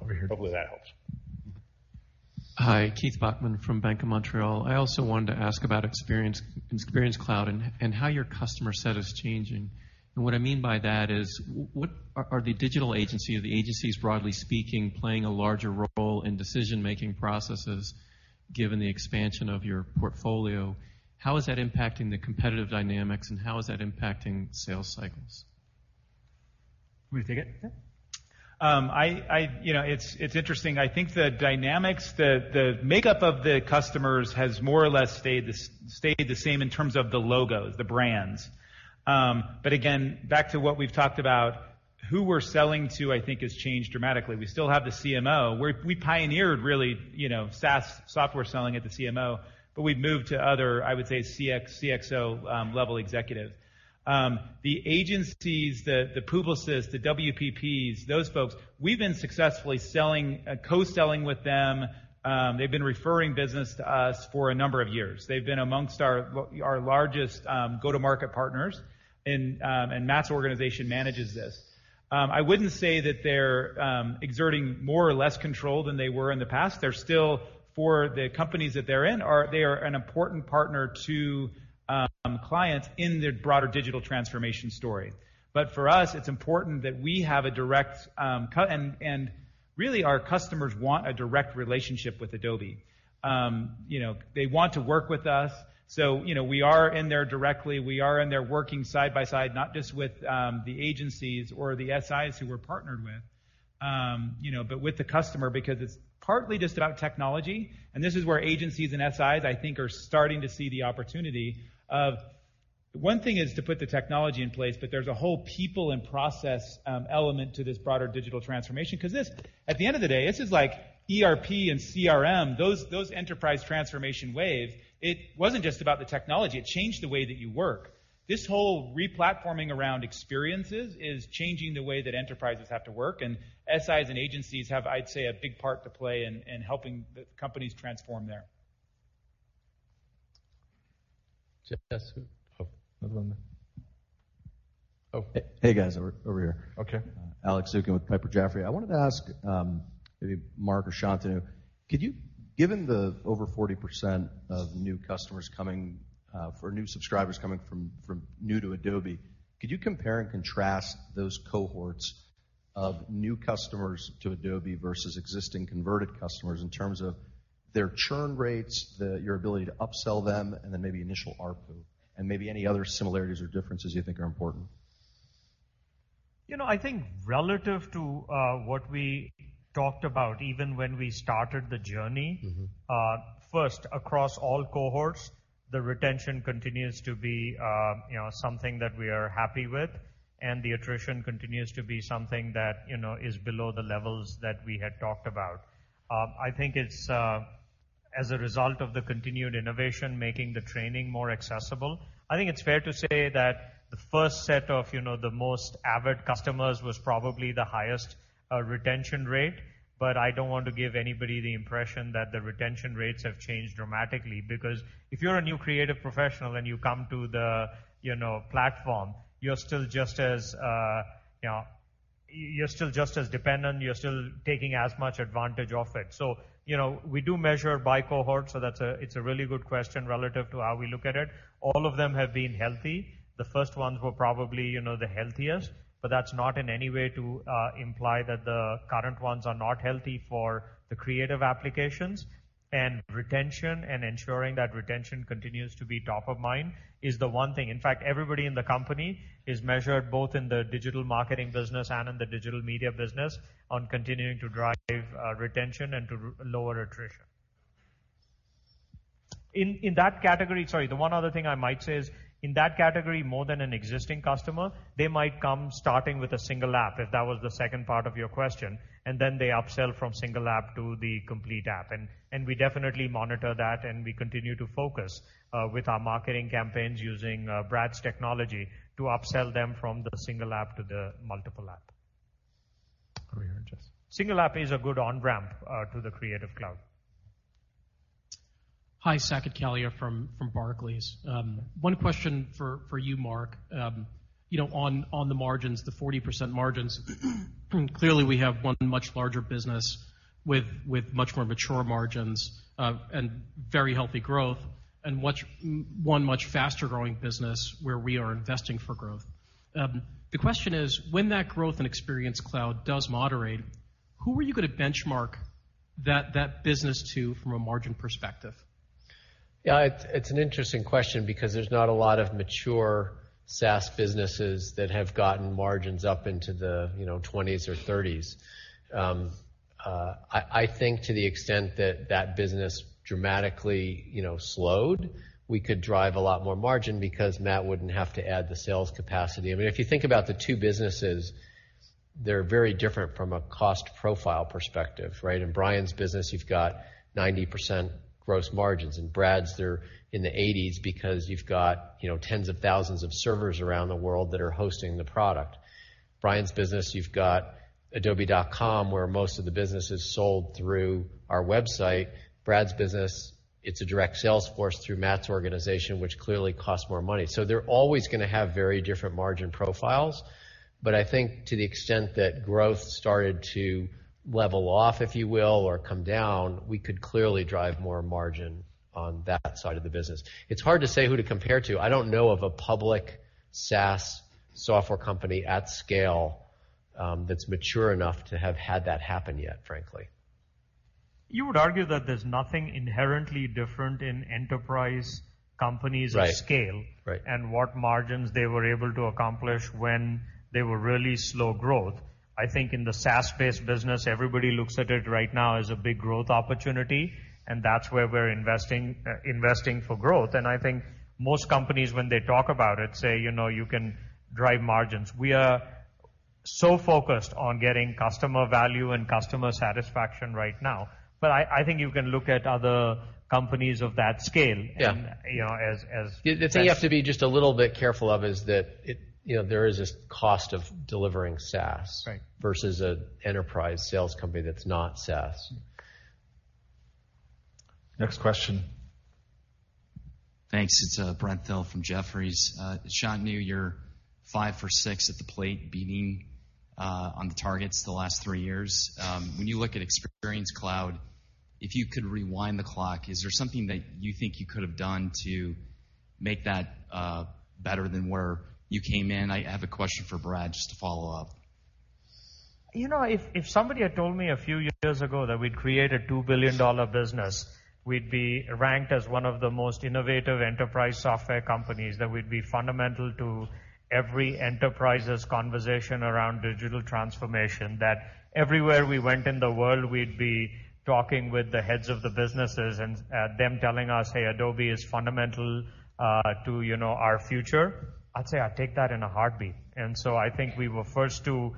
[SPEAKER 2] Over here.
[SPEAKER 5] Hopefully that helps.
[SPEAKER 12] Hi, Keith Bachman from Bank of Montreal. I also wanted to ask about Experience Cloud and how your customer set is changing. What I mean by that is, are the digital agency or the agencies, broadly speaking, playing a larger role in decision-making processes given the expansion of your portfolio? How is that impacting the competitive dynamics, and how is that impacting sales cycles?
[SPEAKER 2] You want me to take it?
[SPEAKER 5] Yeah.
[SPEAKER 2] It's interesting. I think the dynamics, the makeup of the customers has more or less stayed the same in terms of the logos, the brands. Again, back to what we've talked about, who we're selling to, I think, has changed dramatically. We still have the CMO. We pioneered really, SaaS software selling at the CMO, but we've moved to other, I would say CXO-level executives. The agencies, the Publicis, the WPPs, those folks, we've been successfully selling, co-selling with them. They've been referring business to us for a number of years. They've been amongst our largest go-to-market partners, and Matt's organization manages this. I wouldn't say that they're exerting more or less control than they were in the past. They're still, for the companies that they're in, they are an important partner to clients in their broader digital transformation story. For us, it's important that we have a direct cut, and really our customers want a direct relationship with Adobe. They want to work with us, so we are in there directly. We are in there working side by side, not just with the agencies or the SIs who we're partnered with, but with the customer because it's partly just about technology, and this is where agencies and SIs, I think are starting to see the opportunity of one thing is to put the technology in place, but there's a whole people and process element to this broader digital transformation because this, at the end of the day, this is like ERP and CRM, those enterprise transformation wave. It wasn't just about the technology. It changed the way that you work. This whole re-platforming around experiences is changing the way that enterprises have to work, and SIs and agencies have, I'd say, a big part to play in helping the companies transform there.
[SPEAKER 1] Jess. Another one there.
[SPEAKER 13] Hey guys, over here.
[SPEAKER 1] Okay.
[SPEAKER 13] Alex Zukin with Piper Jaffray. I wanted to ask, maybe Mark or Shantanu, given the over 40% of new subscribers coming from new to Adobe, could you compare and contrast those cohorts of new customers to Adobe versus existing converted customers in terms of their churn rates, your ability to upsell them, and then maybe initial ARPU, and maybe any other similarities or differences you think are important?
[SPEAKER 2] I think relative to what we talked about, even when we started the journey. Across all cohorts, the retention continues to be something that we are happy with. The attrition continues to be something that is below the levels that we had talked about. I think it's as a result of the continued innovation, making the training more accessible. I think it's fair to say that the first set of the most avid customers was probably the highest retention rate. I don't want to give anybody the impression that the retention rates have changed dramatically, because if you're a new creative professional and you come to the platform, you're still just as dependent, you're still taking as much advantage of it. We do measure by cohort, so it's a really good question relative to how we look at it. All of them have been healthy. The first ones were probably the healthiest, that's not in any way to imply that the current ones are not healthy for the creative applications. Retention and ensuring that retention continues to be top of mind is the one thing. In fact, everybody in the company is measured both in the digital marketing business and in the Digital Media business on continuing to drive retention and to lower attrition. In that category, sorry, the one other thing I might say is, in that category, more than an existing customer, they might come starting with a single app, if that was the second part of your question. Then they upsell from single app to the complete app. We definitely monitor that, and we continue to focus with our marketing campaigns using Brad's technology to upsell them from the single app to the multiple app.
[SPEAKER 1] Over here, Jess.
[SPEAKER 2] Single app is a good on-ramp to the Creative Cloud.
[SPEAKER 14] Hi, Saket Kalia from Barclays. One question for you, Mark. On the margins, the 40% margins, clearly we have one much larger business with much more mature margins, and very healthy growth, and one much faster growing business where we are investing for growth. The question is, when that growth in Adobe Experience Cloud does moderate, who are you going to benchmark that business to from a margin perspective?
[SPEAKER 3] It's an interesting question because there's not a lot of mature SaaS businesses that have gotten margins up into the 20s or 30s. I think to the extent that that business dramatically slowed, we could drive a lot more margin because Matt wouldn't have to add the sales capacity. If you think about the two businesses, they're very different from a cost profile perspective, right? In Bryan's business, you've got 90% gross margins. In Brad's, they're in the 80s because you've got tens of thousands of servers around the world that are hosting the product. Bryan's business, you've got adobe.com, where most of the business is sold through our website. Brad's business, it's a direct sales force through Matt's organization, which clearly costs more money. They're always going to have very different margin profiles. I think to the extent that growth started to level off, if you will, or come down, we could clearly drive more margin on that side of the business. It's hard to say who to compare to. I don't know of a public SaaS software company at scale that's mature enough to have had that happen yet, frankly.
[SPEAKER 2] You would argue that there's nothing inherently different in enterprise companies of scale.
[SPEAKER 3] Right
[SPEAKER 2] What margins they were able to accomplish when they were really slow growth. I think in the SaaS-based business, everybody looks at it right now as a big growth opportunity, and that's where we're investing for growth. I think most companies, when they talk about it, say, "You can drive margins." We are so focused on getting customer value and customer satisfaction right now. I think you can look at other companies of that scale.
[SPEAKER 3] Yeah
[SPEAKER 2] as-
[SPEAKER 3] The thing you have to be just a little bit careful of is that there is this cost of delivering SaaS.
[SPEAKER 2] Right
[SPEAKER 3] versus an enterprise sales company that's not SaaS.
[SPEAKER 1] Next question.
[SPEAKER 15] Thanks. It's Brent Thill from Jefferies. Shantanu, you're five for six at the plate, beating on the targets the last three years. When you look at Experience Cloud, if you could rewind the clock, is there something that you think you could have done to make that better than where you came in? I have a question for Brad, just to follow up.
[SPEAKER 2] If somebody had told me a few years ago that we'd create a $2 billion business, we'd be ranked as one of the most innovative enterprise software companies, that we'd be fundamental to every enterprise's conversation around digital transformation, that everywhere we went in the world, we'd be talking with the heads of the businesses and them telling us, "Hey, Adobe is fundamental to our future," I'd say I'd take that in a heartbeat. I think we were first to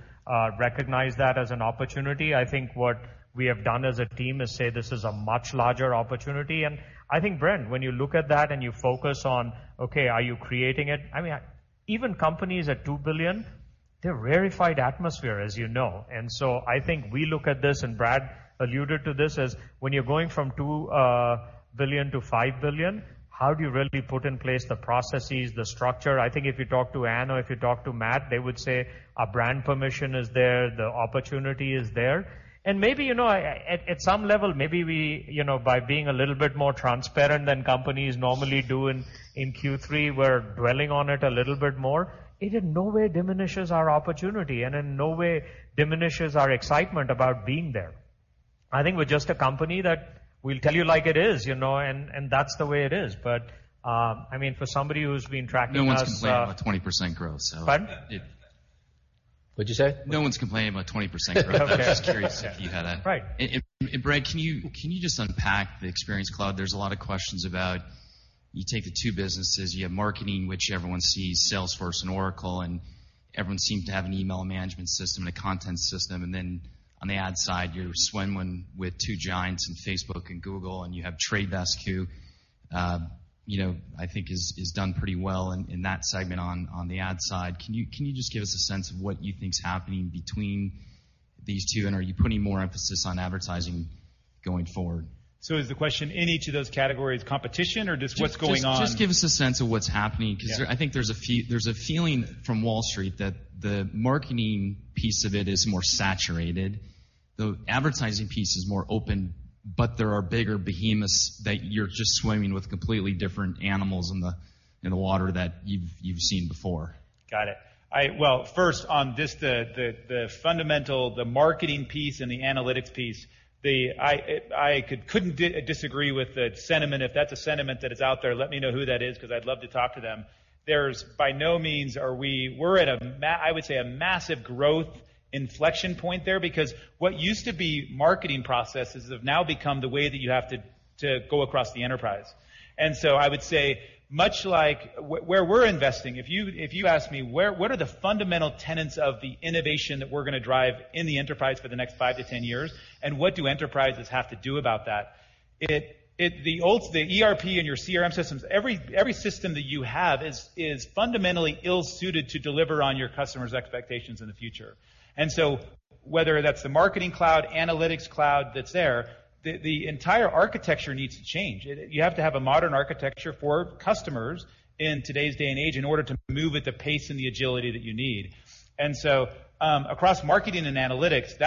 [SPEAKER 2] recognize that as an opportunity. I think what we have done as a team is say, "This is a much larger opportunity." I think, Brent, when you look at that and you focus on, okay, are you creating it, even companies at $2 billion They're rarefied atmosphere, as you know. I think we look at this, and Brad alluded to this, as when you're going from two billion to five billion, how do you really put in place the processes, the structure? I think if you talk to Anne or if you talk to Matt, they would say our brand permission is there, the opportunity is there. Maybe, at some level, maybe by being a little bit more transparent than companies normally do in Q3, we're dwelling on it a little bit more. It in no way diminishes our opportunity and in no way diminishes our excitement about being there. I think we're just a company that will tell you like it is, and that's the way it is. For somebody who's been tracking us-
[SPEAKER 15] No one's complaining about 20% growth, so.
[SPEAKER 2] Pardon? What'd you say?
[SPEAKER 15] No one's complaining about 20% growth. I'm just curious if you had.
[SPEAKER 2] Right.
[SPEAKER 15] Brad, can you just unpack the Experience Cloud? There's a lot of questions about, you take the two businesses, you have marketing, which everyone sees, Salesforce and Oracle, and everyone seemed to have an email management system and a content system. On the ad side, you're swimming with two giants in Facebook and Google, and you have Trade Desk, who I think has done pretty well in that segment on the ad side. Can you just give us a sense of what you think is happening between these two, and are you putting more emphasis on advertising going forward?
[SPEAKER 7] Is the question in each of those categories competition or just what's going on?
[SPEAKER 15] Just give us a sense of what's happening, because I think there's a feeling from Wall Street that the marketing piece of it is more saturated. The advertising piece is more open, but there are bigger behemoths that you're just swimming with completely different animals in the water than you've seen before.
[SPEAKER 7] Got it. Well, first on just the fundamental, the marketing piece and the analytics piece, I couldn't disagree with the sentiment. If that's a sentiment that is out there, let me know who that is because I'd love to talk to them. We're at, I would say, a massive growth inflection point there because what used to be marketing processes have now become the way that you have to go across the enterprise. I would say, much like where we're investing, if you ask me what are the fundamental tenets of the innovation that we're going to drive in the enterprise for the next 5 to 10 years, and what do enterprises have to do about that? The ERP and your CRM systems, every system that you have is fundamentally ill-suited to deliver on your customers' expectations in the future. Whether that's the Marketing Cloud, Analytics Cloud that's there, the entire architecture needs to change. You have to have a modern architecture for customers in today's day and age in order to move at the pace and the agility that you need. Across marketing and analytics,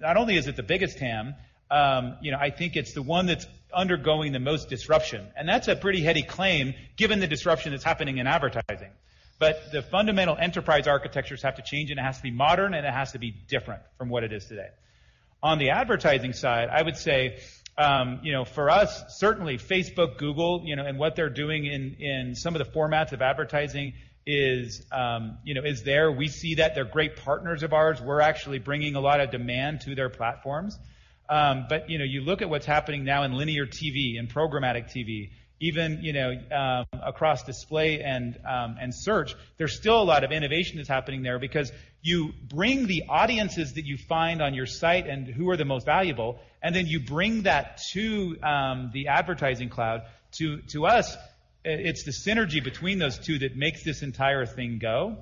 [SPEAKER 7] not only is it the biggest TAM, I think it's the one that's undergoing the most disruption. That's a pretty heady claim given the disruption that's happening in advertising. The fundamental enterprise architectures have to change, and it has to be modern, and it has to be different from what it is today. On the advertising side, I would say, for us, certainly Facebook, Google, and what they're doing in some of the formats of advertising is there. We see that. They're great partners of ours. We're actually bringing a lot of demand to their platforms. You look at what's happening now in linear TV and programmatic TV, even across display and search, there's still a lot of innovation that's happening there because you bring the audiences that you find on your site and who are the most valuable, and then you bring that to the Adobe Advertising Cloud. To us, it's the synergy between those two that makes this entire thing go.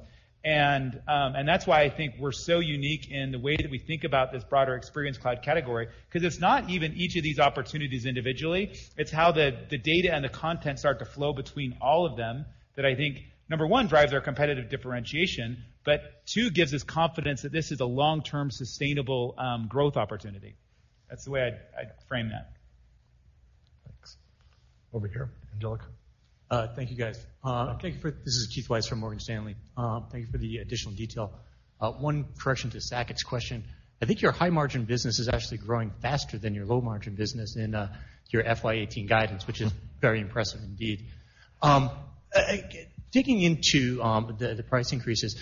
[SPEAKER 7] That's why I think we're so unique in the way that we think about this broader Adobe Experience Cloud category, because it's not even each of these opportunities individually. It's how the data and the content start to flow between all of them that I think, number one, drives our competitive differentiation, but two, gives us confidence that this is a long-term, sustainable growth opportunity. That's the way I'd frame that.
[SPEAKER 1] Thanks. Over here, Angelica.
[SPEAKER 16] Thank you, guys.
[SPEAKER 1] Okay.
[SPEAKER 16] This is Keith Weiss from Morgan Stanley. Thank you for the additional detail. One correction to Saket's question. I think your high-margin business is actually growing faster than your low-margin business in your FY 2018 guidance, which is very impressive indeed. Digging into the price increases,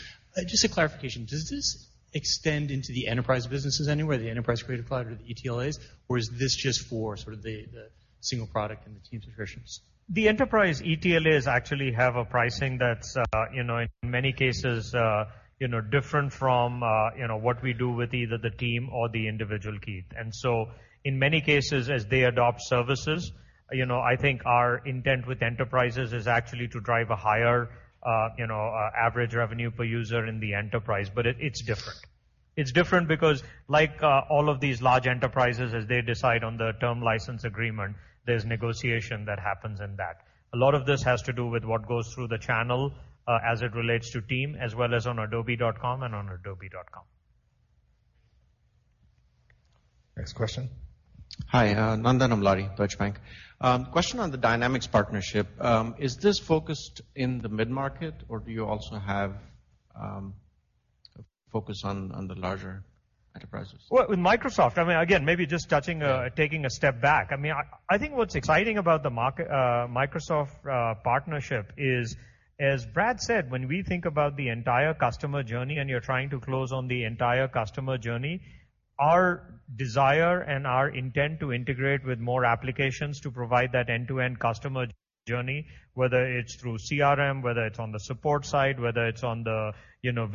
[SPEAKER 16] just a clarification. Does this extend into the enterprise businesses anywhere, the Enterprise Creative Cloud or the ETLAs, or is this just for sort of the single product and the team subscriptions?
[SPEAKER 2] The enterprise ETLAs actually have a pricing that's, in many cases, different from what we do with either the team or the individual key. In many cases, as they adopt services, I think our intent with enterprises is actually to drive a higher average revenue per user in the enterprise, but it's different. It's different because like all of these large enterprises, as they decide on the term license agreement, there's negotiation that happens in that. A lot of this has to do with what goes through the channel as it relates to team, as well as on adobe.com and on adobe.com.
[SPEAKER 1] Next question.
[SPEAKER 17] Hi, Nandan Amladi, Deutsche Bank. Question on the Dynamics partnership. Is this focused in the mid-market, or do you also have a focus on the larger?
[SPEAKER 2] With Microsoft, again, maybe just taking a step back. I think what's exciting about the Microsoft partnership is, as Brad said, when we think about the entire customer journey and you're trying to close on the entire customer journey, our desire and our intent to integrate with more applications to provide that end-to-end customer journey, whether it's through CRM, whether it's on the support side, whether it's on the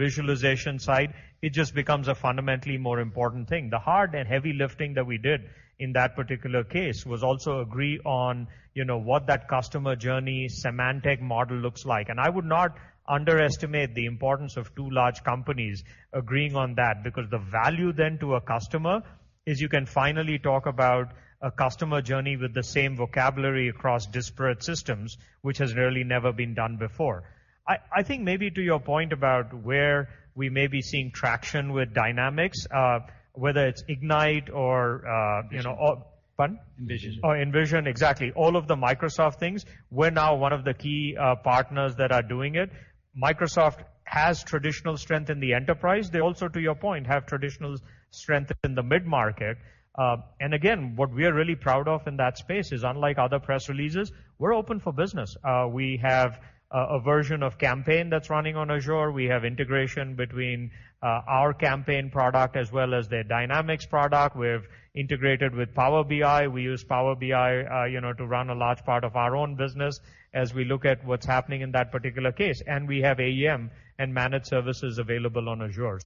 [SPEAKER 2] visualization side, it just becomes a fundamentally more important thing. The hard and heavy lifting that we did in that particular case was also agree on what that customer journey semantic model looks like. I would not underestimate the importance of two large companies agreeing on that, because the value then to a customer is you can finally talk about a customer journey with the same vocabulary across disparate systems, which has really never been done before. I think maybe to your point about where we may be seeing traction with Dynamics, whether it's Ignite.
[SPEAKER 7] Envision.
[SPEAKER 2] Pardon?
[SPEAKER 7] Envision.
[SPEAKER 2] Envision, exactly. All of the Microsoft things, we're now one of the key partners that are doing it. Microsoft has traditional strength in the enterprise. They also, to your point, have traditional strength in the mid-market. Again, what we are really proud of in that space is, unlike other press releases, we're open for business. We have a version of Campaign that's running on Azure. We have integration between our Campaign product as well as their Dynamics product. We've integrated with Power BI. We use Power BI to run a large part of our own business as we look at what's happening in that particular case. We have AEM and managed services available on Azure.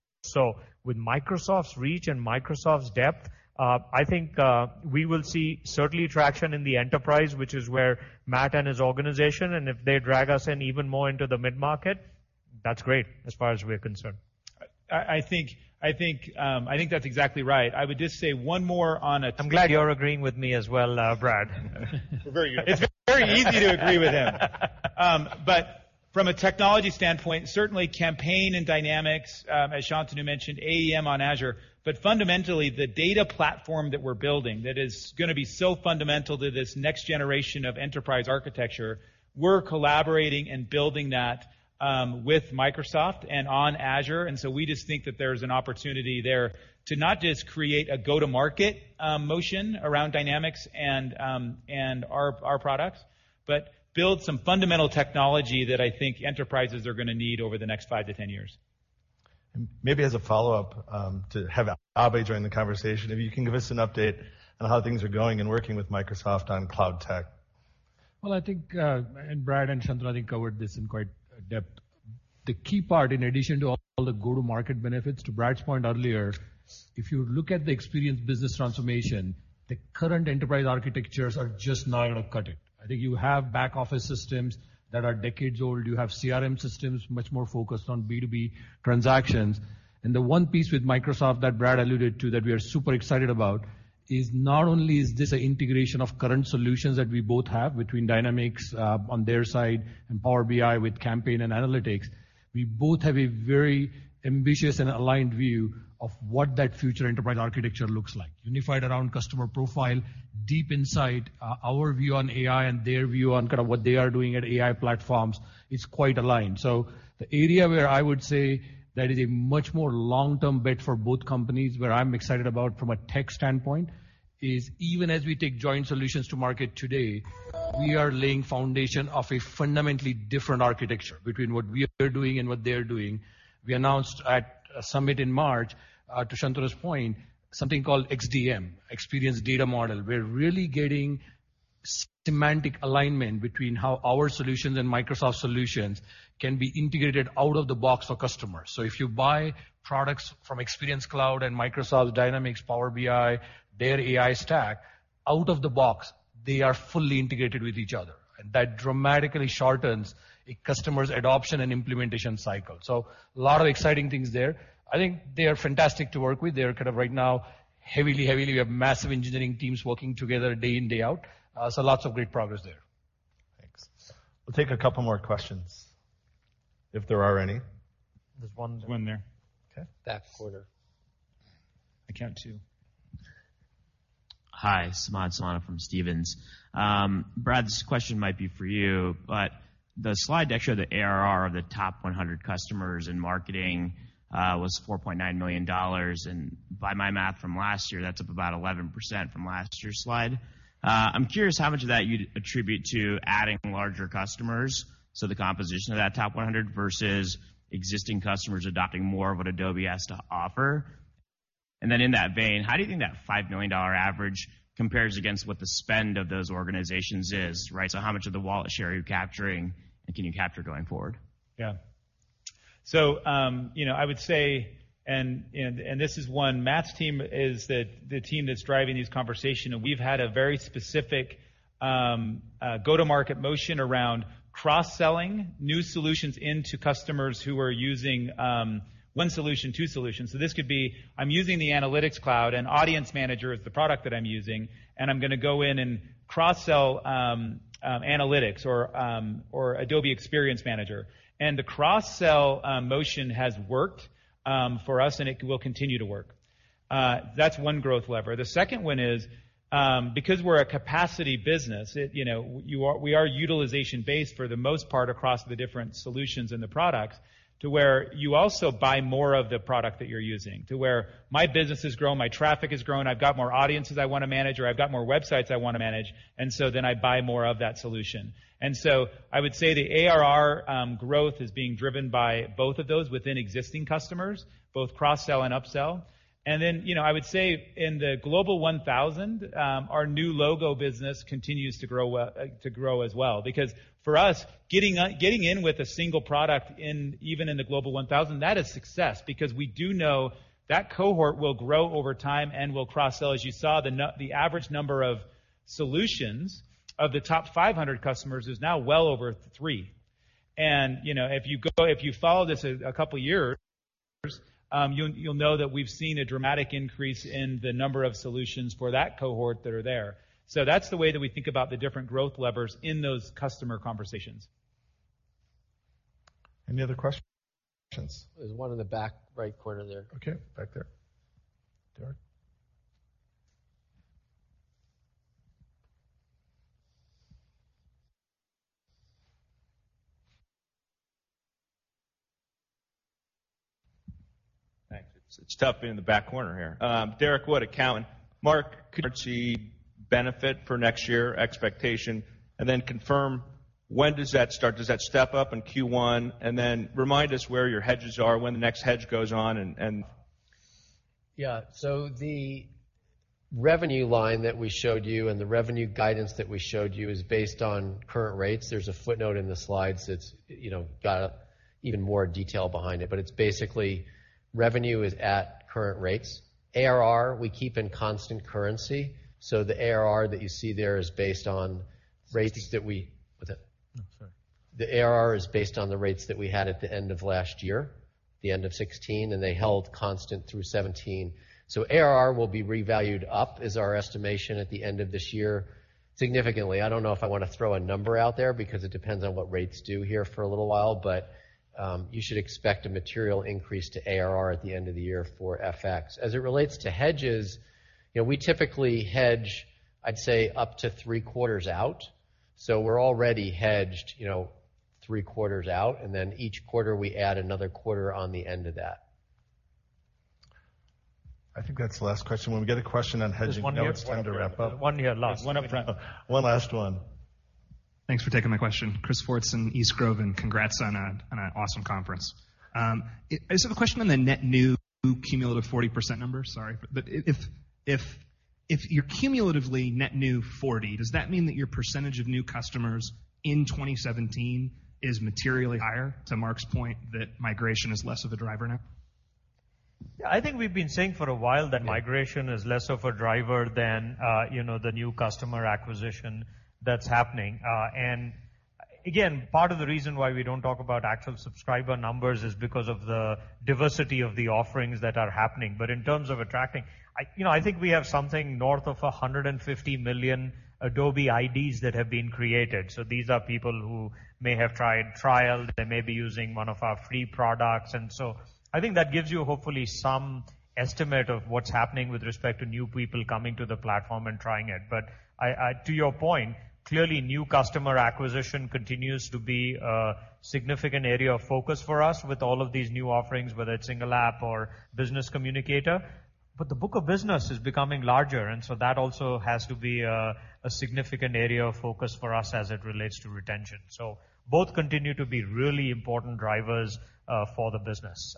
[SPEAKER 2] With Microsoft's reach and Microsoft's depth, I think we will see certainly traction in the enterprise, which is where Matt and his organization, and if they drag us in even more into the mid-market, that's great as far as we're concerned.
[SPEAKER 7] I think that's exactly right. I would just say one more.
[SPEAKER 2] I'm glad you're agreeing with me as well, Brad.
[SPEAKER 1] We're very united.
[SPEAKER 7] It's very easy to agree with him. From a technology standpoint, certainly Adobe Campaign and Dynamics, as Shantanu mentioned, AEM on Azure, but fundamentally, the data platform that we're building that is going to be so fundamental to this next generation of enterprise architecture, we're collaborating and building that with Microsoft and on Azure. We just think that there's an opportunity there to not just create a go-to-market motion around Dynamics and our products, but build some fundamental technology that I think enterprises are going to need over the next five to 10 years.
[SPEAKER 1] Maybe as a follow-up, to have Abhay join the conversation, if you can give us an update on how things are going in working with Microsoft on cloud tech.
[SPEAKER 18] Well, I think Brad and Shantanu covered this in quite depth. The key part, in addition to all the go-to-market benefits, to Brad's point earlier, if you look at the Experience business transformation, the current enterprise architectures are just not going to cut it. I think you have back-office systems that are decades old. You have CRM systems much more focused on B2B transactions. The one piece with Microsoft that Brad alluded to that we are super excited about is not only is this an integration of current solutions that we both have between Dynamics on their side and Power BI with Campaign and Analytics, we both have a very ambitious and aligned view of what that future enterprise architecture looks like, unified around customer profile, deep insight, our view on AI and their view on kind of what they are doing at AI platforms is quite aligned. The area where I would say there is a much more long-term bet for both companies, where I'm excited about from a tech standpoint, is even as we take joint solutions to market today, we are laying foundation of a fundamentally different architecture between what we are doing and what they're doing. We announced at a summit in March, to Shantanu's point, something called XDM, Experience Data Model. We're really getting semantic alignment between how our solutions and Microsoft solutions can be integrated out of the box for customers. If you buy products from Experience Cloud and Microsoft Dynamics, Power BI, their AI stack, out of the box, they are fully integrated with each other. That dramatically shortens a customer's adoption and implementation cycle. A lot of exciting things there. I think they are fantastic to work with. They are kind of right now, we have massive engineering teams working together day in, day out. Lots of great progress there.
[SPEAKER 1] Thanks. We'll take a couple more questions, if there are any.
[SPEAKER 2] There's one.
[SPEAKER 7] One there.
[SPEAKER 1] Okay.
[SPEAKER 2] Back corner.
[SPEAKER 7] I count two.
[SPEAKER 19] Hi, Samad Samana from Stephens. Brad, this question might be for you. The slide deck showed the ARR of the top 100 customers in marketing was $4.9 million. By my math from last year, that's up about 11% from last year's slide. I'm curious how much of that you'd attribute to adding larger customers, so the composition of that top 100, versus existing customers adopting more of what Adobe has to offer. In that vein, how do you think that $5 million average compares against what the spend of those organizations is, right? How much of the wallet share are you capturing, and can you capture going forward?
[SPEAKER 7] I would say, this is one, Matt's team is the team that's driving these conversations. We've had a very specific go-to-market motion around cross-selling new solutions into customers who are using one solution, two solutions. This could be, I'm using the Analytics Cloud, and Adobe Audience Manager is the product that I'm using. I'm going to go in and cross-sell Analytics or Adobe Experience Manager. The cross-sell motion has worked for us, and it will continue to work. That's one growth lever. The second one is because we're a capacity business, we are utilization based for the most part across the different solutions and the products to where you also buy more of the product that you're using, to where my business has grown, my traffic has grown, I've got more audiences I want to manage, or I've got more websites I want to manage. I buy more of that solution. I would say the ARR growth is being driven by both of those within existing customers, both cross-sell and upsell. I would say in the Global 1000, our new logo business continues to grow as well. Because for us, getting in with a single product even in the Global 1000, that is success because we do know that cohort will grow over time and will cross-sell. As you saw, the average number of solutions of the top 500 customers is now well over three. If you follow this a couple of years, you'll know that we've seen a dramatic increase in the number of solutions for that cohort that are there. That's the way that we think about the different growth levers in those customer conversations.
[SPEAKER 1] Any other questions?
[SPEAKER 3] There's one in the back right corner there.
[SPEAKER 1] Okay. Back there. Derrick?
[SPEAKER 20] Thanks. It's tough being in the back corner here. Derrick Wood, Cowen. Mark, could I see benefit for next year expectation, and then confirm when does that start? Does that step up in Q1? Then remind us where your hedges are, when the next hedge goes on.
[SPEAKER 3] The revenue line that we showed you and the revenue guidance that we showed you is based on current rates. There is a footnote in the slides that has got even more detail behind it, but it is basically revenue is at current rates. ARR we keep in constant currency. The ARR that you see there is based on rates that we-
[SPEAKER 1] Sorry.
[SPEAKER 3] The ARR is based on the rates that we had at the end of last year, the end of 2016, and they held constant through 2017. ARR will be revalued up as our estimation at the end of this year significantly. I do not know if I want to throw a number out there because it depends on what rates do here for a little while, but you should expect a material increase to ARR at the end of the year for FX. As it relates to hedges, we typically hedge, I would say up to three quarters out. We are already hedged three quarters out, and then each quarter we add another quarter on the end of that.
[SPEAKER 1] I think that is the last question. When we get a question on hedging-
[SPEAKER 3] There is one here
[SPEAKER 1] Now it's time to wrap up.
[SPEAKER 7] One here, last.
[SPEAKER 1] One last one.
[SPEAKER 21] Thanks for taking my question. Chris Fortson, East Grove, congrats on an awesome conference. I just have a question on the net new cumulative 40% number. Sorry. If you're cumulatively net new 40%, does that mean that your percentage of new customers in 2017 is materially higher, to Mark's point that migration is less of a driver now?
[SPEAKER 7] Yeah, I think we've been saying for a while that migration is less of a driver than the new customer acquisition that's happening. Again, part of the reason why we don't talk about actual subscriber numbers is because of the diversity of the offerings that are happening. In terms of attracting, I think we have something north of 150 million Adobe IDs that have been created. These are people who may have tried trial, they may be using one of our free products, and so I think that gives you hopefully some estimate of what's happening with respect to new people coming to the platform and trying it. To your point, clearly new customer acquisition continues to be a significant area of focus for us with all of these new offerings, whether it's Single App or Business Communicator.
[SPEAKER 2] The book of business is becoming larger, and so that also has to be a significant area of focus for us as it relates to retention. Both continue to be really important drivers for the business.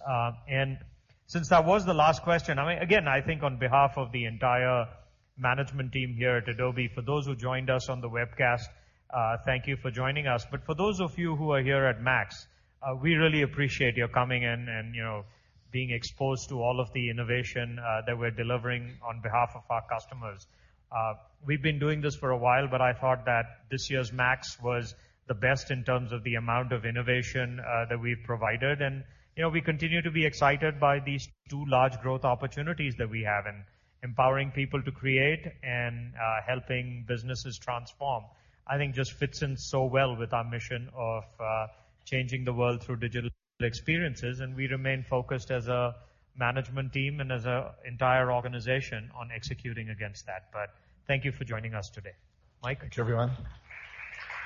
[SPEAKER 2] Since that was the last question, again, I think on behalf of the entire management team here at Adobe, for those who joined us on the webcast, thank you for joining us. For those of you who are here at MAX, we really appreciate your coming in and being exposed to all of the innovation that we're delivering on behalf of our customers. We've been doing this for a while, but I thought that this year's MAX was the best in terms of the amount of innovation that we've provided. We continue to be excited by these two large growth opportunities that we have in empowering people to create and helping businesses transform. That, I think, just fits in so well with our mission of changing the world through digital experiences, and we remain focused as a management team and as an entire organization on executing against that. Thank you for joining us today. Mike?
[SPEAKER 1] Thanks, everyone.